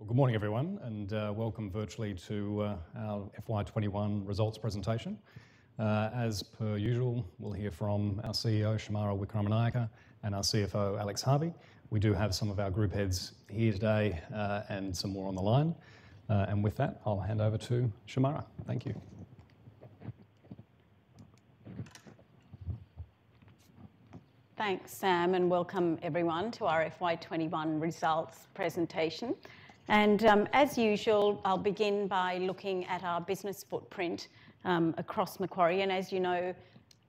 Well, good morning, everyone, and welcome virtually to our FY 2021 results presentation. As per usual, we'll hear from our CEO, Shemara Wikramanayake, and our CFO, Alex Harvey. We do have some of our group heads here today, and some more on the line. With that, I'll hand over to Shemara. Thank you. Thanks, Sam, welcome everyone to our FY 2021 results presentation. As usual, I'll begin by looking at our business footprint across Macquarie. As you know,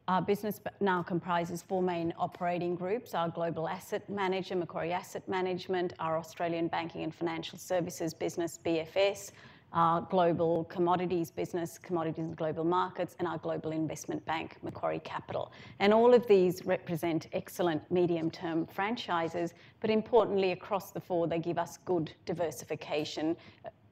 our business now comprises four main operating groups, our global asset manager, Macquarie Asset Management, our Australian Banking and Financial Services business, BFS, our global Commodities and Global Markets business, and our global investment bank, Macquarie Capital. All of these represent excellent medium-term franchises. Importantly, across the four, they give us good diversification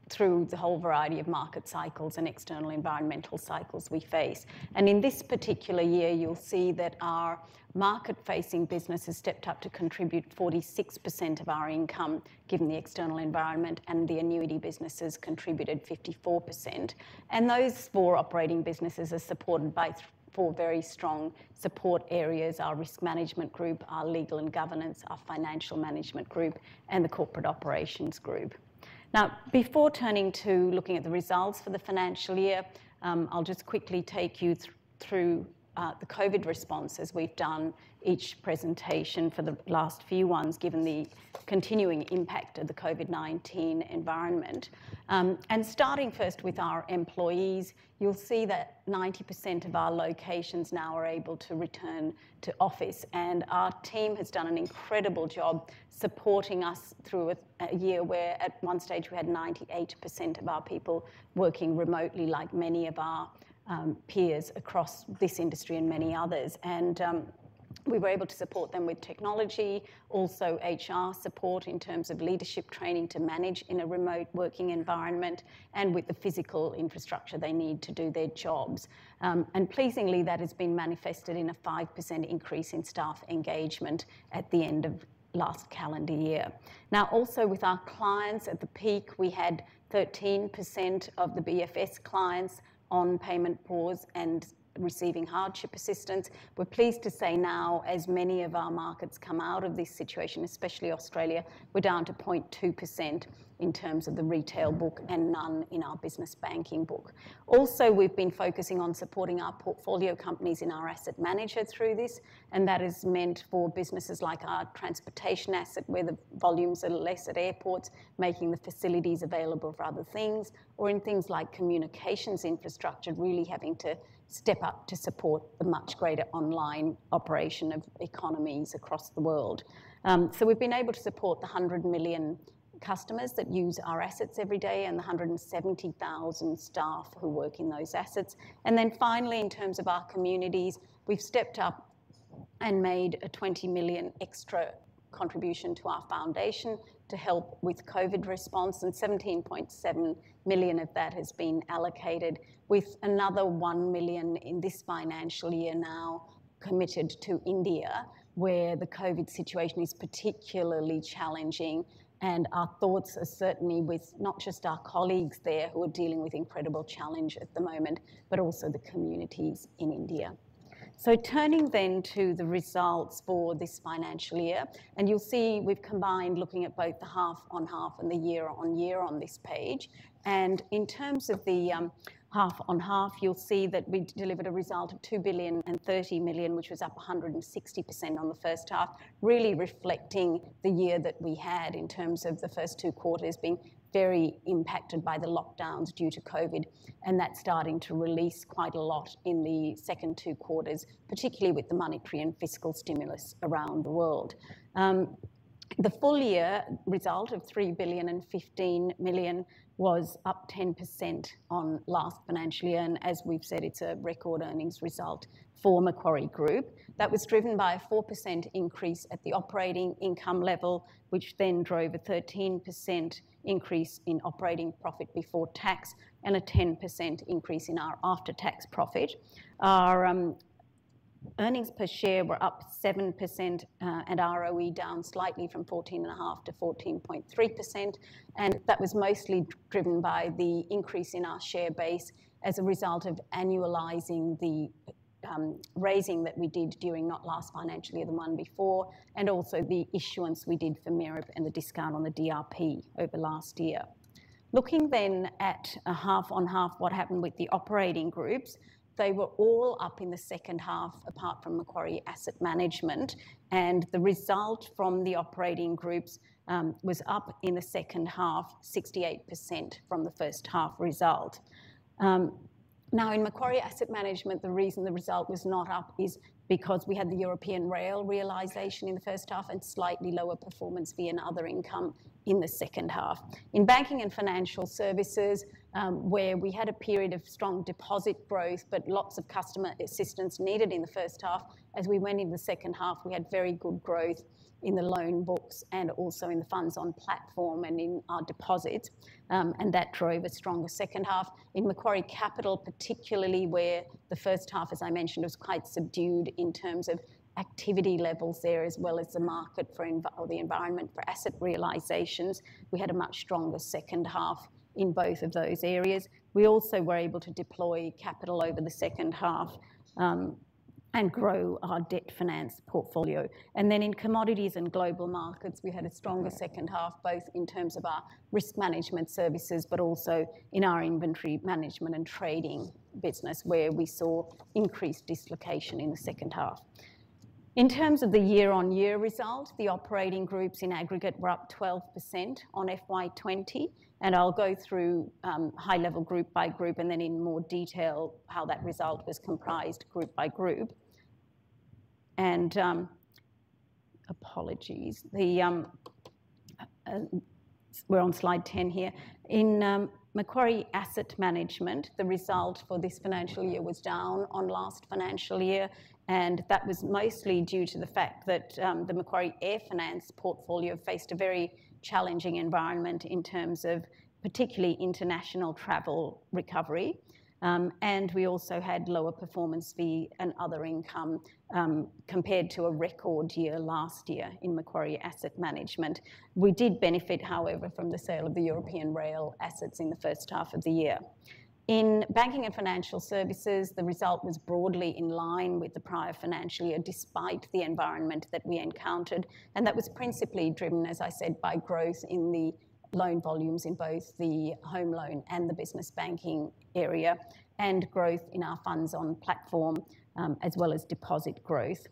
through the whole variety of market cycles and external environmental cycles we face. In this particular year, you'll see that our market-facing business has stepped up to contribute 46% of our income, given the external environment, and the annuity businesses contributed 54%. Those four operating businesses are supported by four very strong support areas, our Risk Management Group, our Legal and Governance, our Financial Management Group, and the Corporate Operations Group. Now, before turning to looking at the results for the financial year, I'll just quickly take you through the COVID response, as we've done each presentation for the last few ones, given the continuing impact of the COVID-19 environment. Starting first with our employees, you'll see that 90% of our locations now are able to return to office. Our team has done an incredible job supporting us through a year where at one stage we had 98% of our people working remotely, like many of our peers across this industry and many others. We were able to support them with technology, also HR support in terms of leadership training to manage in a remote working environment, and with the physical infrastructure they need to do their jobs. Pleasingly, that has been manifested in a 5% increase in staff engagement at the end of last calendar year. Also with our clients, at the peak, we had 13% of the BFS clients on payment pause and receiving hardship assistance. We're pleased to say now, as many of our markets come out of this situation, especially Australia, we're down to 0.2% in terms of the retail book and none in our business banking book. We've been focusing on supporting our portfolio companies and our asset manager through this, and that has meant for businesses like our transportation asset, where the volumes are less at airports, making the facilities available for other things, or in things like communications infrastructure, really having to step up to support the much greater online operation of economies across the world. We've been able to support the 100 million customers that use our assets every day and the 170,000 staff who work in those assets. Finally, in terms of our communities, we've stepped up and made an 20 million extra contribution to our foundation to help with COVID response, and 17.7 million of that has been allocated with another 1 million in this financial year now committed to India, where the COVID situation is particularly challenging. Our thoughts are certainly with not just our colleagues there, who are dealing with incredible challenge at the moment, but also the communities in India. Turning then to the results for this financial year, you'll see we've combined looking at both the half-on-half and the year-on-year on this page. In terms of the half-on-half, you'll see that we delivered a result of 2,030,000,000 which was up 160% on the first half, really reflecting the year that we had in terms of the first two quarters being very impacted by the lockdowns due to COVID, that starting to release quite a lot in the second two quarters, particularly with the monetary and fiscal stimulus around the world. The full year result of 3,015,000,000 was up 10% on last financial year, as we've said, it's a record earnings result for Macquarie Group. That was driven by a 4% increase at the operating income level, which then drove a 13% increase in operating profit before tax and a 10% increase in our after-tax profit. Our earnings per share were up 7%, and ROE down slightly from 14.5%-14.3%, and that was mostly driven by the increase in our share base as a result of annualizing the raising that we did during not last financial year, the one before, and also the issuance we did for MEREP and the discount on the DRP over last year. Looking then at a half-on-half what happened with the operating groups, they were all up in the second half apart from Macquarie Asset Management, and the result from the operating groups was up in the second half 68% from the first half result. Now, in Macquarie Asset Management, the reason the result was not up is because we had the European rail realization in the first half and slightly lower performance fee and other income in the second half. In Banking and Financial Services, where we had a period of strong deposit growth, but lots of customer assistance needed in the first half, as we went in the second half, we had very good growth in the loan books and also in the funds on platform and in our deposits, and that drove a stronger second half. In Macquarie Capital, particularly where the first half, as I mentioned, was quite subdued in terms of activity levels there as well as the market for, or the environment for asset realizations, we had a much stronger second half in both of those areas. We also were able to deploy capital over the second half and grow our debt finance portfolio. In Commodities and Global Markets, we had a stronger second half, both in terms of our risk management services, but also in our inventory management and trading business, where we saw increased dislocation in the second half. In terms of the year-on-year result, the operating groups in aggregate were up 12% on FY 2020. I'll go through high-level group by group, and then in more detail how that result was comprised group by group. Apologies. We're on slide 10 here. In Macquarie Asset Management, the result for this financial year was down on last financial year, and that was mostly due to the fact that the Macquarie AirFinance portfolio faced a very challenging environment in terms of particularly international travel recovery. We also had lower performance fee and other income compared to a record year last year in Macquarie Asset Management. We did benefit, however, from the sale of the European rail assets in the first half of the year. In Banking and Financial Services, the result was broadly in line with the prior financial year despite the environment that we encountered. That was principally driven, as I said, by growth in the loan volumes in both the home loan and the business banking area, and growth in our funds on platform, as well as deposit growth.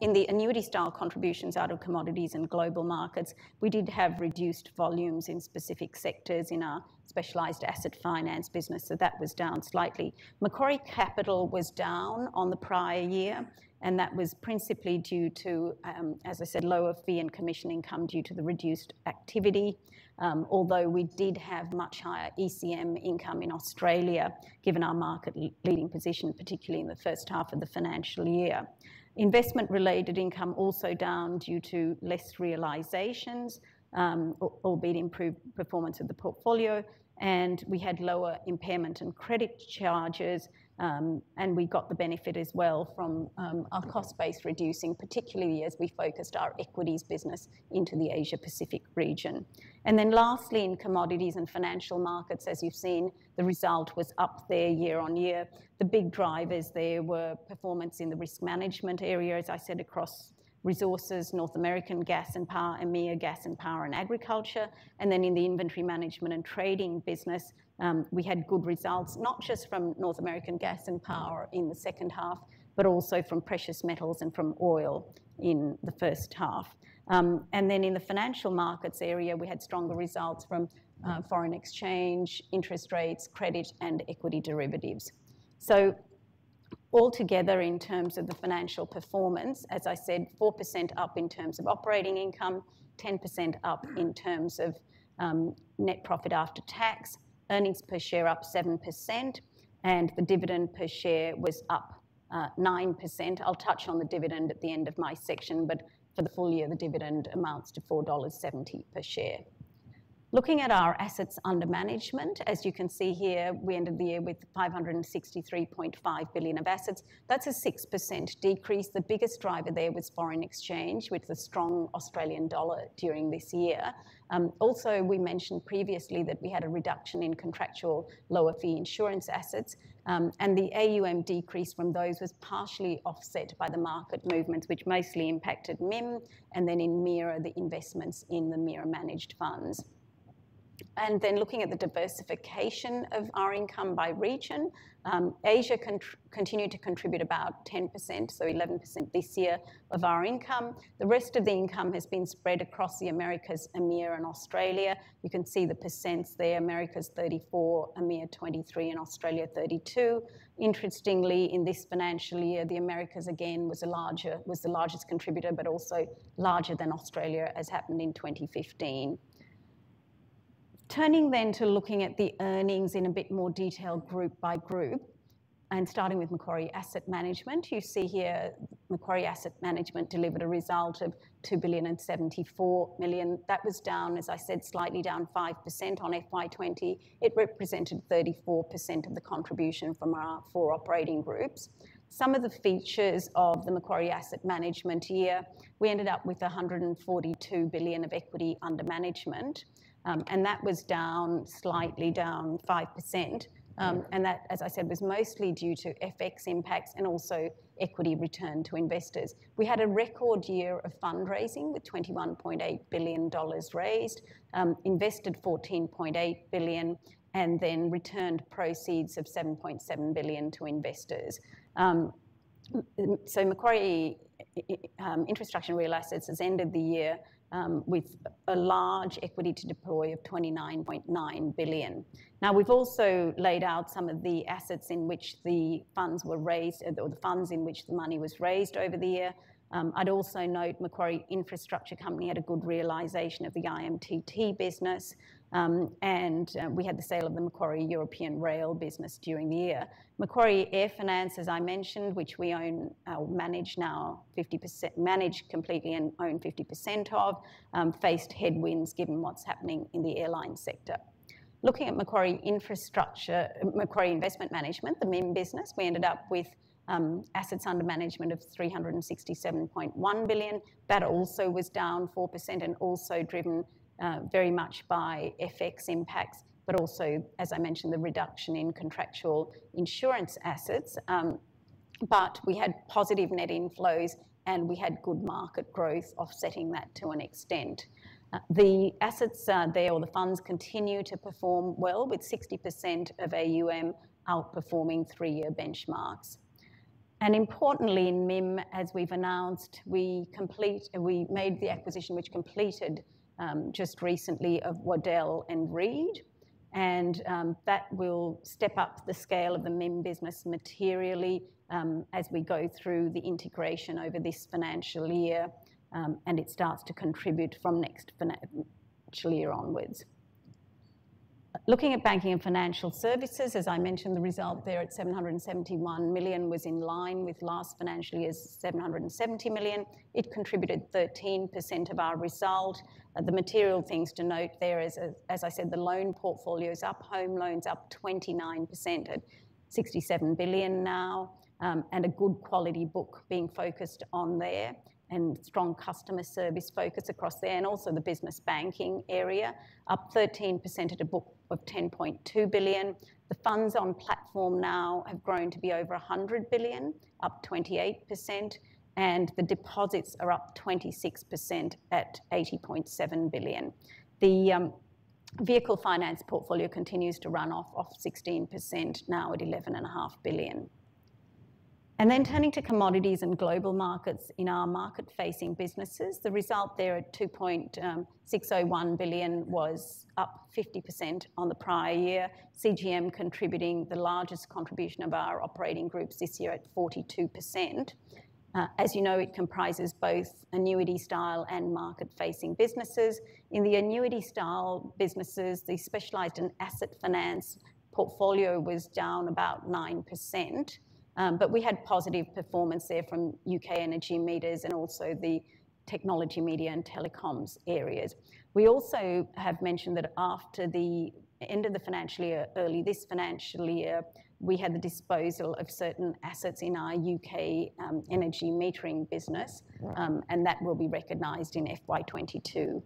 In the annuity style contributions out of Commodities and Global Markets, we did have reduced volumes in specific sectors in our specialized asset finance business. That was down slightly. Macquarie Capital was down on the prior year, and that was principally due to, as I said, lower fee and commission income due to the reduced activity. We did have much higher ECM income in Australia, given our market leading position, particularly in the first half of the financial year. Investment related income also down due to less realizations, albeit improved performance of the portfolio, and we had lower impairment and credit charges. We got the benefit as well from our cost base reducing, particularly as we focused our equities business into the Asia Pacific region. Lastly, in Commodities and Financial Markets, as you've seen, the result was up there year on year. The big drivers there were performance in the risk management area, as I said, across resources, North American gas and power, EMEA Gas and Power, and agriculture. Then in the inventory management and trading business, we had good results, not just from North American gas and power in the second half, but also from precious metals and from oil in the first half. Then in the financial markets area, we had stronger results from foreign exchange, interest rates, credit, and equity derivatives. Altogether in terms of the financial performance, as I said, 4% up in terms of operating income, 10% up in terms of net profit after tax. Earnings per share up 7%, and the dividend per share was up 9%. I will touch on the dividend at the end of my section, but for the full year, the dividend amounts to 4.70 dollars per share. Looking at our assets under management, as you can see here, we ended the year with 563.5 billion of assets. That is a 6% decrease. The biggest driver there was foreign exchange with the strong Australian dollar during this year. We mentioned previously that we had a reduction in contractual lower fee insurance assets. The AUM decrease from those was partially offset by the market movements, which mostly impacted MIM and then in MIRA, the investments in the MIRA managed funds. Looking at the diversification of our income by region, Asia continued to contribute about 10%, so 11% this year of our income. The rest of the income has been spread across the Americas, EMEA, and Australia. You can see the percents there, Americas 34%, EMEA 23%, and Australia 32%. Interestingly, in this financial year, the Americas again was the largest contributor, but also larger than Australia, as happened in 2015. Turning to looking at the earnings in a bit more detail group by group and starting with Macquarie Asset Management. You see here Macquarie Asset Management delivered a result of 2 billion and 74 million. That was down, as I said, slightly down 5% on FY 2020. It represented 34% of the contribution from our four operating groups. Some of the features of the Macquarie Asset Management year, we ended up with 142 billion of equity under management, and that was down slightly down 5%. That, as I said, was mostly due to FX impacts and also equity return to investors. We had a record year of fundraising with 21.8 billion dollars raised, invested 14.8 billion, and then returned proceeds of 7.7 billion to investors. Macquarie Infrastructure and Real Assets has ended the year with a large equity to deploy of 29.9 billion. We've also laid out some of the assets in which the funds were raised or the funds in which the money was raised over the year. I'd also note Macquarie Infrastructure Company had a good realization of the IMTT business. We had the sale of the Macquarie European Rail business during the year. Macquarie AirFinance, as I mentioned, which we manage now 50%, manage completely and own 50% of, faced headwinds given what's happening in the airline sector. Looking at Macquarie Investment Management, the MIM business, we ended up with assets under management of 367.1 billion. That also was down 4% and also driven very much by FX impacts. Also, as I mentioned, the reduction in contractual insurance assets, but we had positive net inflows, and we had good market growth offsetting that to an extent. The assets there or the funds continue to perform well, with 60% of AUM outperforming three-year benchmarks. Importantly, in MIM, as we've announced, we made the acquisition, which completed just recently, of Waddell & Reed. That will step up the scale of the MIM business materially as we go through the integration over this financial year, and it starts to contribute from next financial year onwards. Looking at Banking and Financial Services, as I mentioned, the result there at 771 million was in line with last financial year's 770 million. It contributed 13% of our result. The material things to note there is, as I said, the loan portfolio is up, home loans up 29% at 67 billion now, and a good quality book being focused on there, and strong customer service focus across there. Also the business banking area up 13% at a book of 10.2 billion. The funds on platform now have grown to be over 100 billion, up 28%, and the deposits are up 26% at 80.7 billion. The vehicle finance portfolio continues to run off of 16%, now at 11.5 billion. Turning to Commodities and Global Markets in our market-facing businesses, the result there at 2.601 billion was up 50% on the prior year. CGM contributing the largest contribution of our operating groups this year at 42%. As you know, it comprises both annuity style and market-facing businesses. In the annuity style businesses, the specialized and asset finance portfolio was down about 9%, but we had positive performance there from U.K. energy meters and also the technology media and telecoms areas. We also have mentioned that after the end of the financial year, early this financial year, we had the disposal of certain assets in our U.K. energy metering business, and that will be recognized in FY 2022.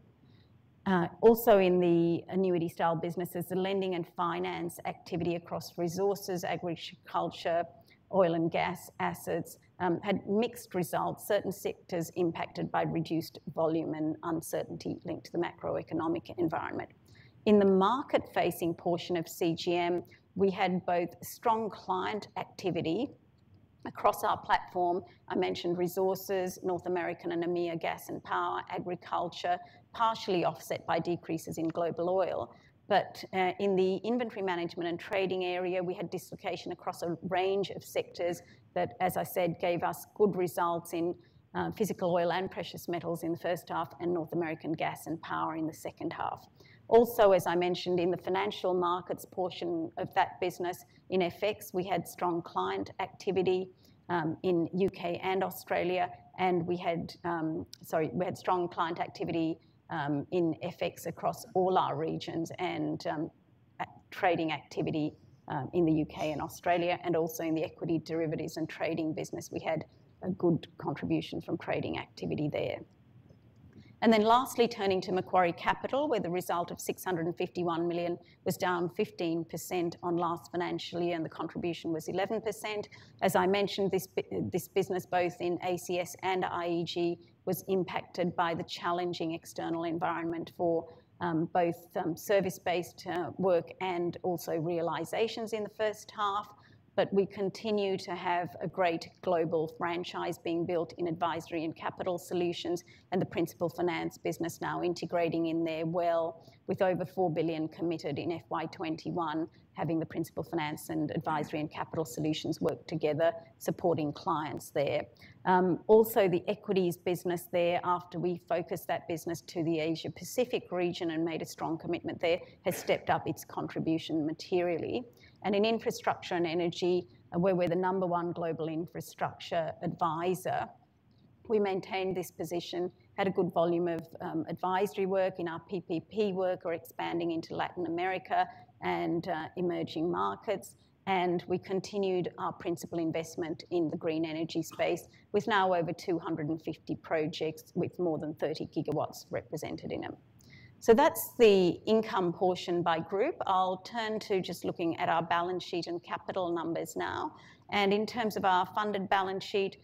In the annuity style businesses, the lending and finance activity across resources, agriculture, oil and gas assets had mixed results. Certain sectors impacted by reduced volume and uncertainty linked to the macroeconomic environment. In the market-facing portion of CGM, we had both strong client activity across our platform. I mentioned resources, North American and EMEA gas and power, agriculture, partially offset by decreases in global oil. In the inventory management and trading area, we had dislocation across a range of sectors that, as I said, gave us good results in physical oil and precious metals in the first half and North American gas and power in the second half. As I mentioned, in the financial markets portion of that business, in FX, we had strong client activity across all our regions and trading activity in the U.K. and Australia, and also in the equity derivatives and trading business. We had a good contribution from trading activity there. Lastly, turning to Macquarie Capital, where the result of 651 million was down 15% on last financial year, and the contribution was 11%. As I mentioned, this business, both in ACS and IEG, was impacted by the challenging external environment for both service-based work and also realizations in the first half. We continue to have a great global franchise being built in Advisory and Capital Solutions, and the Principal Finance business now integrating in there well with over 4 billion committed in FY 2021, having the Principal Finance and Advisory and Capital Solutions work together, supporting clients there. Also, the equities business there, after we focused that business to the Asia Pacific region and made a strong commitment there, has stepped up its contribution materially. In infrastructure and energy, where we're the number one global infrastructure advisor, we maintained this position, had a good volume of advisory work in our PPP work. We're expanding into Latin America and emerging markets. We continued our principal investment in the green energy space with now over 250 projects with more than 30 gigawatts represented in them. That's the income portion by group. I'll turn to just looking at our balance sheet and capital numbers now. In terms of our funded balance sheet,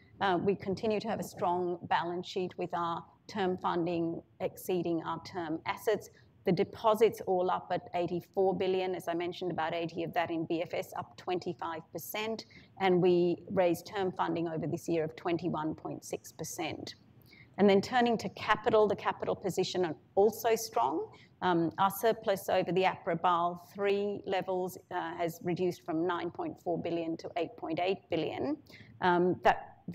we continue to have a strong balance sheet with our term funding exceeding our term assets. The deposits all up at 84 billion, as I mentioned, about 80 of that in BFS up 25%, and we raised term funding over this year of 21.6%. Turning to capital, the capital position are also strong. Our surplus over the APRA Basel III levels has reduced from 9.4 billion to 8.8 billion.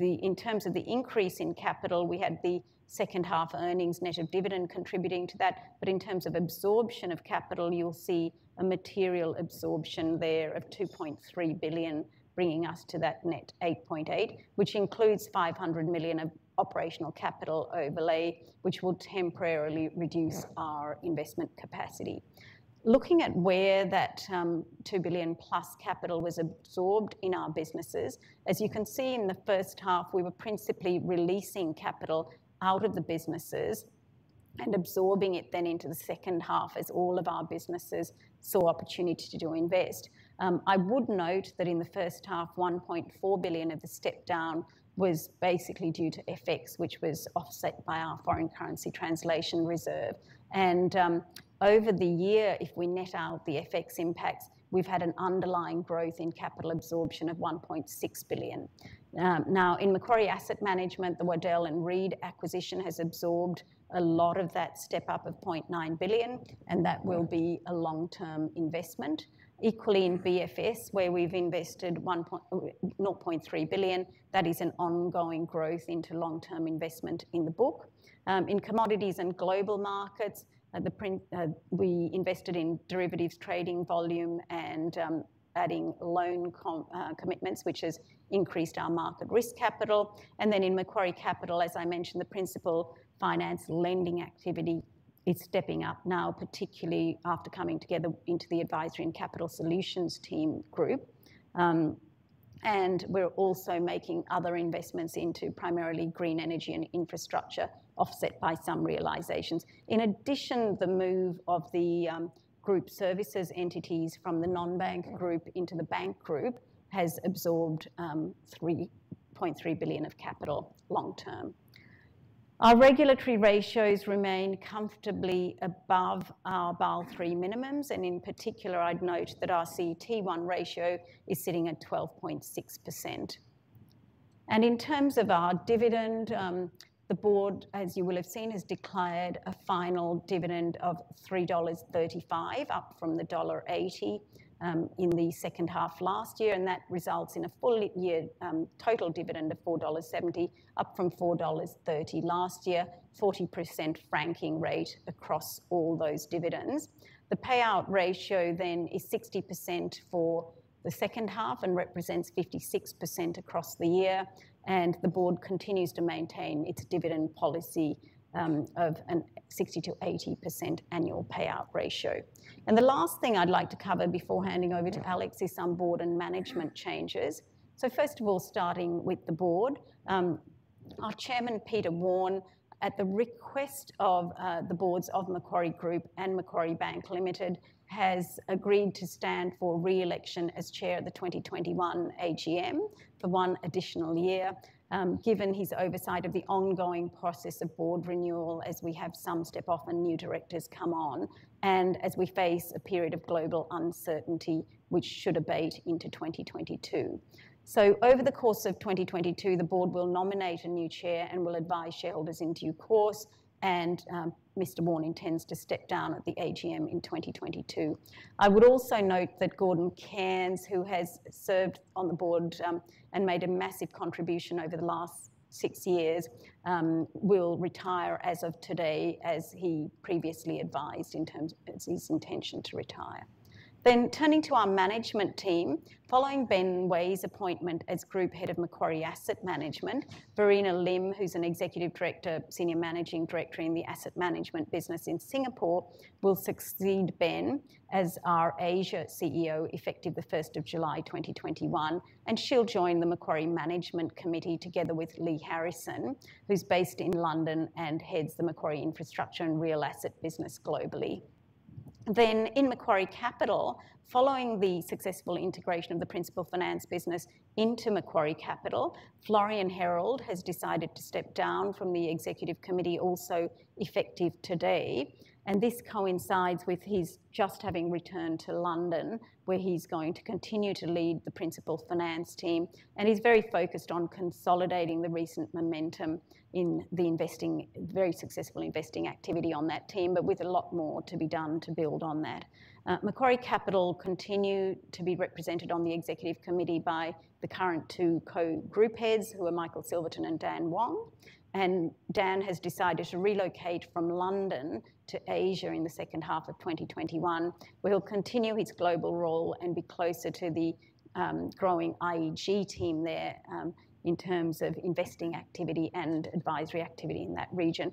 In terms of the increase in capital, we had the second half earnings net of dividend contributing to that. In terms of absorption of capital, you'll see a material absorption there of 2.3 billion, bringing us to that net 8.8, which includes 500 million of operational capital overlay, which will temporarily reduce our investment capacity. Looking at where that 2 billion plus capital was absorbed in our businesses, as you can see in the first half, we were principally releasing capital out of the businesses, and absorbing it then into the second half as all of our businesses saw opportunity to invest. I would note that in the first half, 1.4 billion of the step down was basically due to FX, which was offset by our foreign currency translation reserve. Over the year, if we net out the FX impacts, we've had an underlying growth in capital absorption of 1.6 billion. Now, in Macquarie Asset Management, the Waddell & Reed acquisition has absorbed a lot of that step up of 0.9 billion, and that will be a long-term investment. Equally, in BFS, where we've invested 0.3 billion, that is an ongoing growth into long-term investment in the book. In Commodities and Global Markets, we invested in derivatives trading volume and adding loan commitments, which has increased our market risk capital. In Macquarie Capital, as I mentioned, the Principal Finance lending activity is stepping up now, particularly after coming together into the advisory and capital solutions team group. We're also making other investments into primarily green energy and infrastructure, offset by some realizations. In addition, the move of the group services entities from the non-bank group into the bank group has absorbed 3.3 billion of capital long term. Our regulatory ratios remain comfortably above our Basel III minimums, and in particular, I'd note that our CET1 ratio is sitting at 12.6%. In terms of our dividend, the board, as you will have seen, has declared a final dividend of 3.35 dollars, up from the dollar 1.80 in the second half last year, and that results in a full year total dividend of 4.70 dollars, up from 4.30 dollars last year, 40% franking rate across all those dividends. The payout ratio then is 60% for the second half and represents 56% across the year, and the board continues to maintain its dividend policy of a 60%-80% annual payout ratio. The last thing I'd like to cover before handing over to Alex is some board and management changes. First of all, starting with the board. Our Chairman, Peter Warne, at the request of the boards of Macquarie Group and Macquarie Bank Limited, has agreed to stand for re-election as Chair of the 2021 AGM for one additional year, given his oversight of the ongoing process of board renewal as we have some step off and new directors come on, and as we face a period of global uncertainty which should abate into 2022. Over the course of 2022, the board will nominate a new chair and will advise shareholders in due course, and Mr. Warne intends to step down at the AGM in 2022. I would also note that Gordon Cairns, who has served on the board and made a massive contribution over the last six years, will retire as of today, as he previously advised in terms of his intention to retire. Turning to our management team. Following Ben Way's appointment as group head of Macquarie Asset Management, Verena Lim, who's an Executive Director, Senior Managing Director in the asset management business in Singapore, will succeed Ben as our Asia CEO effective the 1st of July 2021, and she'll join the Macquarie Management Committee together with Leigh Harrison, who's based in London and heads the Macquarie Infrastructure and Real Assets business globally. In Macquarie Capital, following the successful integration of the Principal Finance business into Macquarie Capital, Florian Herold has decided to step down from the Executive Committee also effective today. This coincides with his just having returned to London, where he's going to continue to lead the Principal Finance team, and he's very focused on consolidating the recent momentum in the very successful investing activity on that team, but with a lot more to be done to build on that. Macquarie Capital continue to be represented on the Macquarie Group Executive Committee by the current two co-group heads, who are Michael Silverton and Dan Wong. Dan has decided to relocate from London to Asia in the second half of 2021, where he'll continue his global role and be closer to the growing IEG team there in terms of investing activity and advisory activity in that region.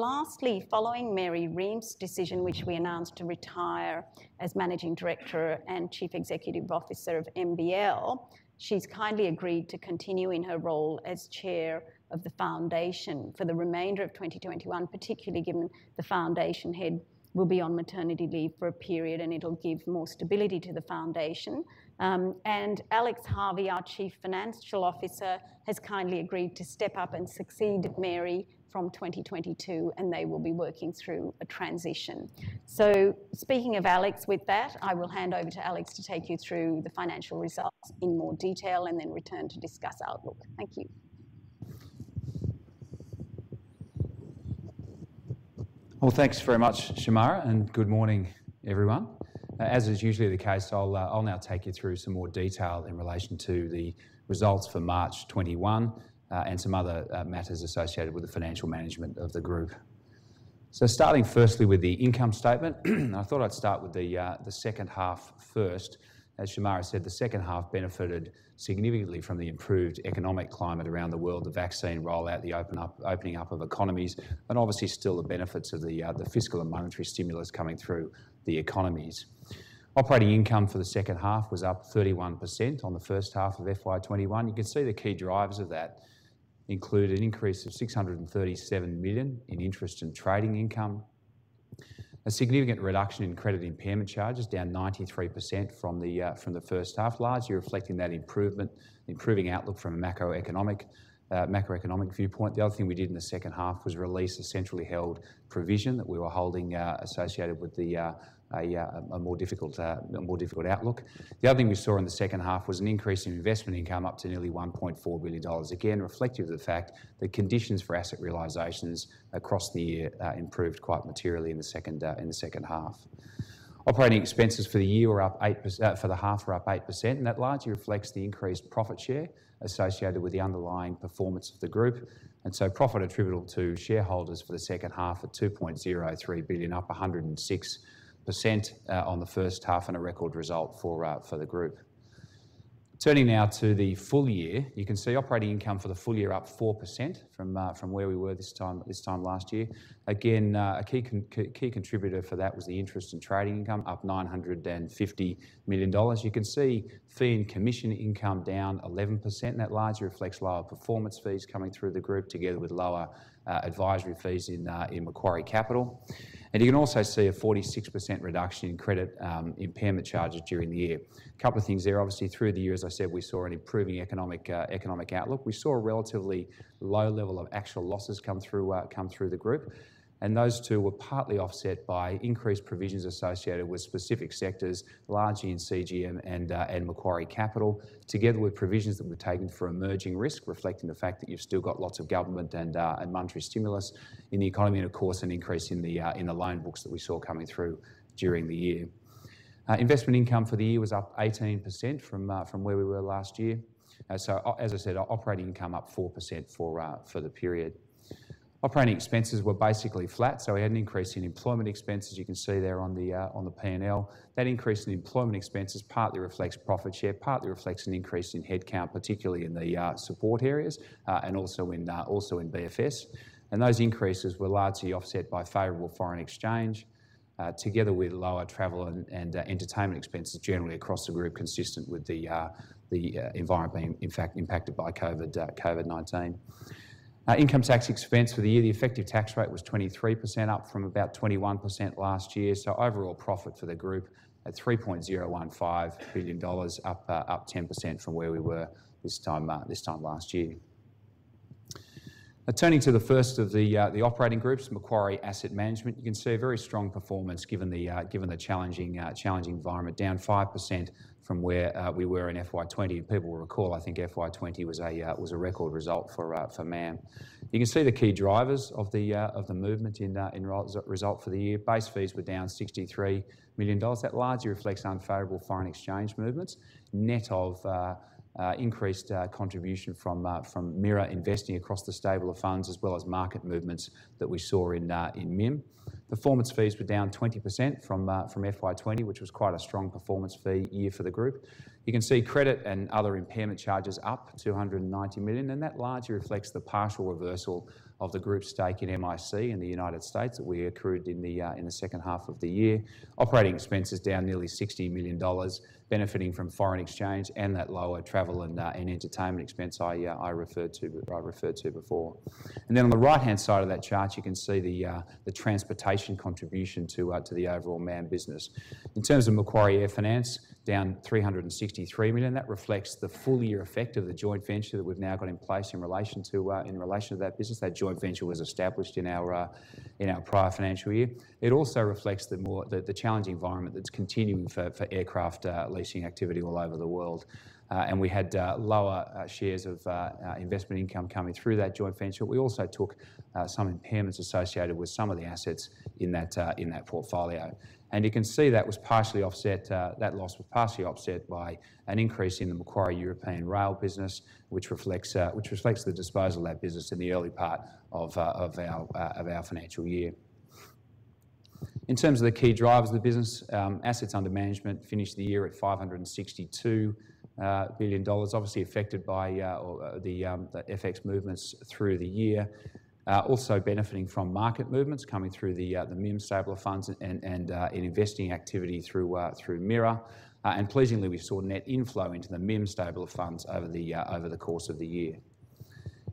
Lastly, following Mary Reemst's decision, which we announced, to retire as Managing Director and Chief Executive Officer of MBL, she's kindly agreed to continue in her role as chair of the foundation for the remainder of 2021, particularly given the foundation head will be on maternity leave for a period and it'll give more stability to the foundation. Alex Harvey, our Chief Financial Officer, has kindly agreed to step up and succeed Mary from 2022, and they will be working through a transition. Speaking of Alex, with that, I will hand over to Alex to take you through the financial results in more detail and then return to discuss outlook. Thank you. Well, thanks very much, Shemara, and good morning, everyone. As is usually the case, I'll now take you through some more detail in relation to the results for March 2021 and some other matters associated with the financial management of Macquarie Group. Starting firstly with the income statement. I thought I'd start with the second half first. As Shemara Wikramanayake said, the second half benefited significantly from the improved economic climate around the world, the vaccine rollout, the opening up of economies, and obviously still the benefits of the fiscal and monetary stimulus coming through the economies. Operating income for the second half was up 31% on the first half of FY 2021. You can see the key drivers of that include an increase of 637 million in interest and trading income, a significant reduction in credit impairment charges, down 93% from the first half, largely reflecting that improving outlook from a macroeconomic viewpoint. The other thing we did in the second half was release a centrally held provision that we were holding associated with a more difficult outlook. The other thing we saw in the second half was an increase in investment income up to nearly 1.4 billion dollars. Again, reflective of the fact that conditions for asset realizations across the year improved quite materially in the second half. Operating expenses for the half were up 8%, That largely reflects the increased profit share associated with the underlying performance of the group. Profit attributable to shareholders for the second half at 2.03 billion, up 106% on the first half and a record result for the group. Turning now to the full year, you can see operating income for the full year up 4% from where we were this time last year. A key contributor for that was the interest in trading income up 950 million dollars. You can see fee and commission income down 11%, and that largely reflects lower performance fees coming through the group together with lower advisory fees in Macquarie Capital. You can also see a 46% reduction in credit impairment charges during the year. Couple of things there. Obviously, through the year, as I said, we saw an improving economic outlook. We saw a relatively low level of actual losses come through the group, and those two were partly offset by increased provisions associated with specific sectors, largely in CGM and Macquarie Capital, together with provisions that were taken for emerging risk, reflecting the fact that you've still got lots of government and monetary stimulus in the economy, and of course, an increase in the loan books that we saw coming through during the year. Investment income for the year was up 18% from where we were last year. As I said, operating income up 4% for the period. Operating expenses were basically flat, so we had an increase in employment expenses. You can see there on the P&L. That increase in employment expenses partly reflects profit share, partly reflects an increase in head count, particularly in the support areas, and also in BFS. Those increases were largely offset by favorable foreign exchange, together with lower travel and entertainment expenses generally across the group, consistent with the environment being, in fact, impacted by COVID-19. Income tax expense for the year, the effective tax rate was 23%, up from about 21% last year. Overall profit for the group at 3.015 billion dollars, up 10% from where we were this time last year. Turning to the first of the operating groups, Macquarie Asset Management. You can see a very strong performance given the challenging environment, down 5% from where we were in FY 2020. People will recall, I think FY 2020 was a record result for MAM. You can see the key drivers of the movement in result for the year. Base fees were down 63 million dollars. That largely reflects unfavorable foreign exchange movements, net of increased contribution from MIRA investing across the stable of funds as well as market movements that we saw in MIM. Performance fees were down 20% from FY 2020, which was quite a strong performance fee year for the group. You can see credit and other impairment charges up 290 million, that largely reflects the partial reversal of the group's stake in MIC in the U.S. that we accrued in the second half of the year. Operating expenses down nearly 60 million dollars, benefiting from foreign exchange and that lower travel and entertainment expense I referred to before. On the right-hand side of that chart, you can see the transportation contribution to the overall MAM business. In terms of Macquarie AirFinance, down 363 million. That reflects the full year effect of the joint venture that we've now got in place in relation to that business. That joint venture was established in our prior financial year. It also reflects the challenging environment that's continuing for aircraft leasing activity all over the world. We had lower shares of investment income coming through that joint venture. We also took some impairments associated with some of the assets in that portfolio. You can see that loss was partially offset by an increase in the Macquarie European Rail business, which reflects the disposal of that business in the early part of our financial year. In terms of the key drivers of the business, assets under management finished the year at 562 billion dollars. Obviously affected by the FX movements through the year. Also benefiting from market movements coming through the MIM stable of funds and in investing activity through MIRA. Pleasingly, we saw net inflow into the MIM stable of funds over the course of the year.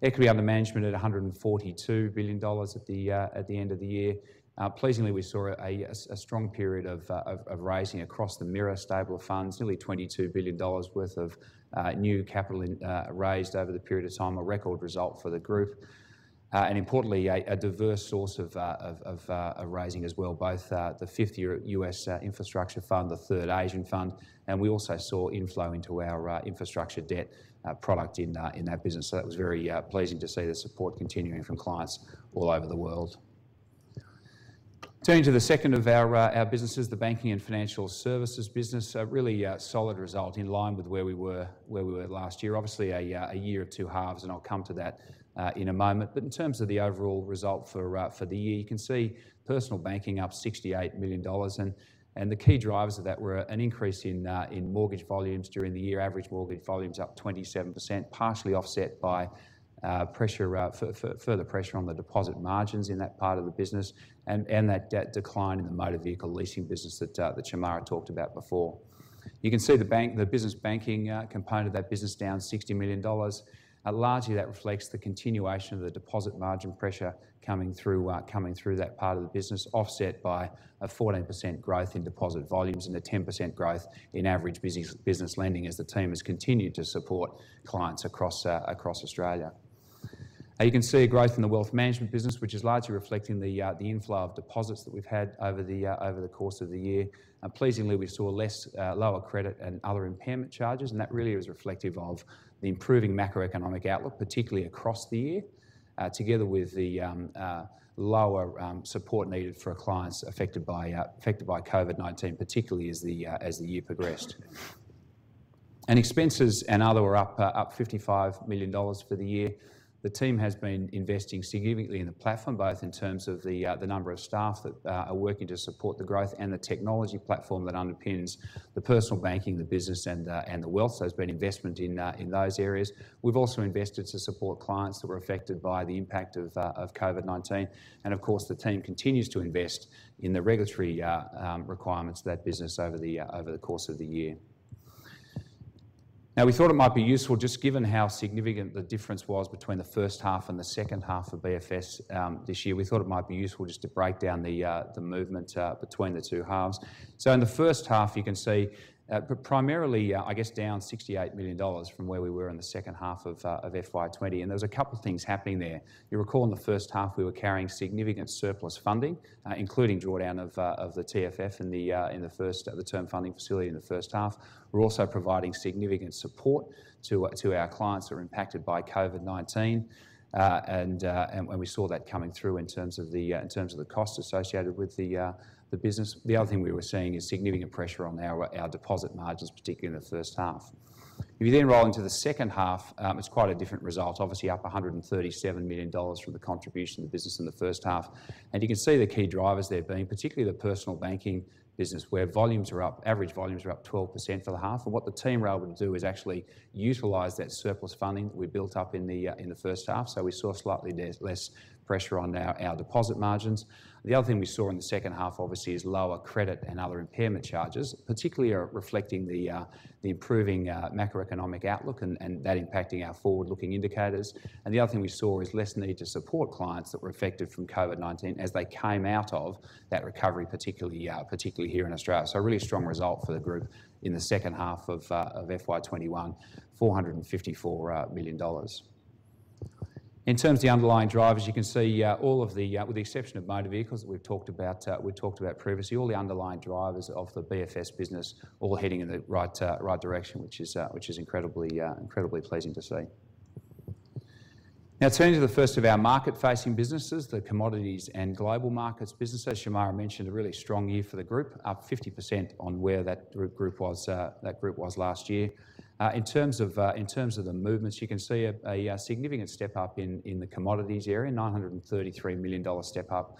Equity under management at 142 billion dollars at the end of the year. Pleasingly, we saw a strong period of raising across the MIRA stable of funds, nearly 22 billion dollars worth of new capital raised over the period of time, a record result for the group. Importantly, a diverse source of raising as well, both the fifth U.S. infrastructure fund, the third Asian fund, and we also saw inflow into our infrastructure debt product in that business. That was very pleasing to see the support continuing from clients all over the world. Turning to the second of our businesses, the Banking and Financial Services business, a really solid result in line with where we were last year. Obviously, a year of two halves, and I'll come to that in a moment. In terms of the overall result for the year, you can see personal banking up 68 million dollars. The key drivers of that were an increase in mortgage volumes during the year, average mortgage volumes up 27%, partially offset by further pressure on the deposit margins in that part of the business, and that decline in the motor vehicle leasing business that Shemara talked about before. You can see the business banking component of that business down 60 million dollars. Largely, that reflects the continuation of the deposit margin pressure coming through that part of the business, offset by a 14% growth in deposit volumes and a 10% growth in average business lending as the team has continued to support clients across Australia. You can see a growth in the wealth management business, which is largely reflecting the inflow of deposits that we've had over the course of the year. Pleasingly, we saw lower credit and other impairment charges, and that really was reflective of the improving macroeconomic outlook, particularly across the year, together with the lower support needed for our clients affected by COVID-19, particularly as the year progressed. Expenses and other were up 55 million dollars for the year. The team has been investing significantly in the platform, both in terms of the number of staff that are working to support the growth and the technology platform that underpins the personal banking, the business, and the wealth. There's been investment in those areas. We've also invested to support clients that were affected by the impact of COVID-19. Of course, the team continues to invest in the regulatory requirements of that business over the course of the year. We thought it might be useful, just given how significant the difference was between the first half and the second half of BFS this year, we thought it might be useful just to break down the movement between the two halves. In the first half, you can see, primarily, I guess down 68 million dollars from where we were in the second half of FY 2020. There was a couple of things happening there. You'll recall in the first half, we were carrying significant surplus funding, including drawdown of the TFF, the term funding Facility, in the first half. We're also providing significant support to our clients who are impacted by COVID-19. We saw that coming through in terms of the costs associated with the business. The other thing we were seeing is significant pressure on our deposit margins, particularly in the first half. If you then roll into the second half, it's quite a different result. Obviously up 137 million dollars from the contribution of the business in the first half. You can see the key drivers there being particularly the personal banking business, where average volumes are up 12% for the half. What the team were able to do is actually utilize that surplus funding that we built up in the first half. We saw slightly less pressure on our deposit margins. The other thing we saw in the second half, obviously, is lower credit and other impairment charges, particularly reflecting the improving macroeconomic outlook and that impacting our forward-looking indicators. The other thing we saw is less need to support clients that were affected from COVID-19 as they came out of that recovery, particularly here in Australia. A really strong result for the group in the second half of FY 2021, 454 million dollars. In terms of the underlying drivers, you can see, with the exception of motor vehicles that we've talked about previously, all the underlying drivers of the BFS business all heading in the right direction, which is incredibly pleasing to see. Turning to the first of our market-facing businesses, the Commodities and Global Markets business. As Shemara mentioned, a really strong year for the group, up 50% on where that group was last year. In terms of the movements, you can see a significant step-up in the commodities area, 933 million dollar step-up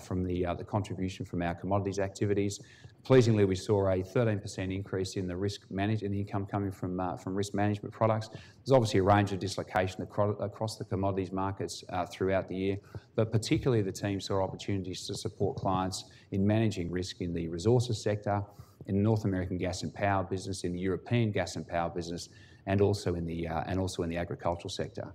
from the contribution from our commodities activities. Pleasingly, we saw a 13% increase in the income coming from risk management products. There was obviously a range of dislocation across the commodities markets throughout the year. Particularly, the team saw opportunities to support clients in managing risk in the resources sector, in North American gas and power business, in the European gas and power business, and also in the agricultural sector.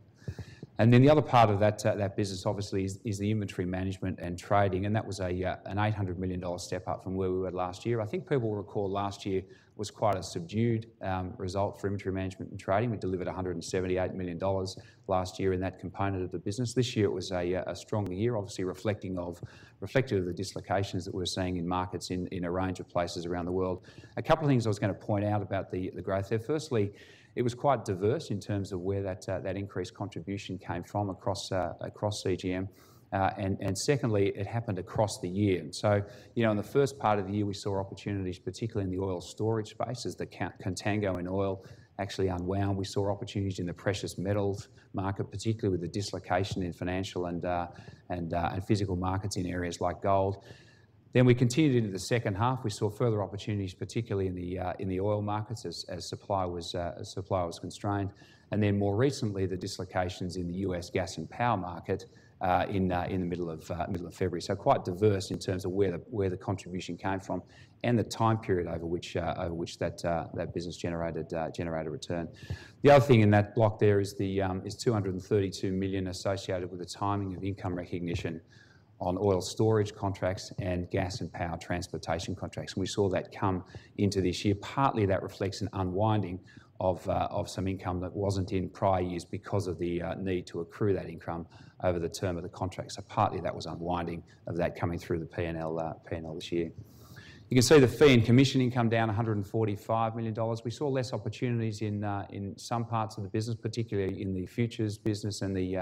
The other part of that business, obviously, is the inventory management and trading, and that was an 800 million dollar step-up from where we were last year. I think people will recall last year was quite a subdued result for inventory management and trading. We delivered 178 million dollars last year in that component of the business. This year, it was a strong year, obviously reflective of the dislocations that we're seeing in markets in a range of places around the world. A couple of things I was going to point out about the growth there. Firstly, it was quite diverse in terms of where that increased contribution came from across CGM. Secondly, it happened across the year. In the first part of the year, we saw opportunities, particularly in the oil storage space, as the contango in oil actually unwound. We saw opportunities in the precious metals market, particularly with the dislocation in financial and physical markets in areas like gold. We continued into the second half. We saw further opportunities, particularly in the oil markets as supply was constrained. More recently, the dislocations in the U.S. gas and power market in the middle of February. Quite diverse in terms of where the contribution came from and the time period over which that business generated return. The other thing in that block there is 232 million associated with the timing of income recognition on oil storage contracts and gas and power transportation contracts, and we saw that come into this year. Partly, that reflects an unwinding of some income that wasn't in prior years because of the need to accrue that income over the term of the contract. Partly, that was unwinding of that coming through the P&L this year. You can see the fee and commission income down 145 million dollars. We saw less opportunities in some parts of the business, particularly in the futures business and the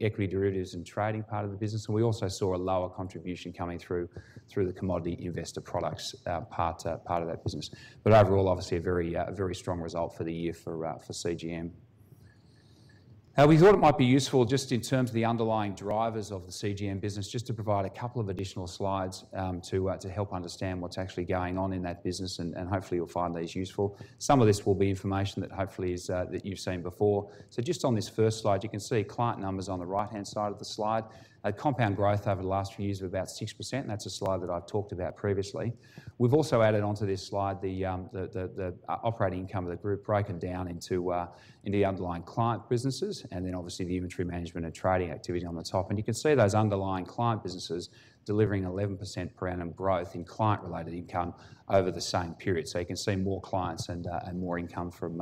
equity derivatives and trading part of the business. We also saw a lower contribution coming through the commodity investor products part of that business. Overall, obviously, a very strong result for the year for CGM. We thought it might be useful just in terms of the underlying drivers of the CGM business, just to provide a couple of additional slides to help understand what's actually going on in that business, and hopefully you'll find these useful. Some of this will be information that hopefully that you've seen before. Just on this first slide, you can see client numbers on the right-hand side of the slide. A compound growth over the last few years of about 6%, and that's a slide that I've talked about previously. We've also added onto this slide the operating income of the group broken down into the underlying client businesses, and then obviously the inventory management and trading activity on the top. You can see those underlying client businesses delivering 11% per annum growth in client-related income over the same period. You can see more clients and more income from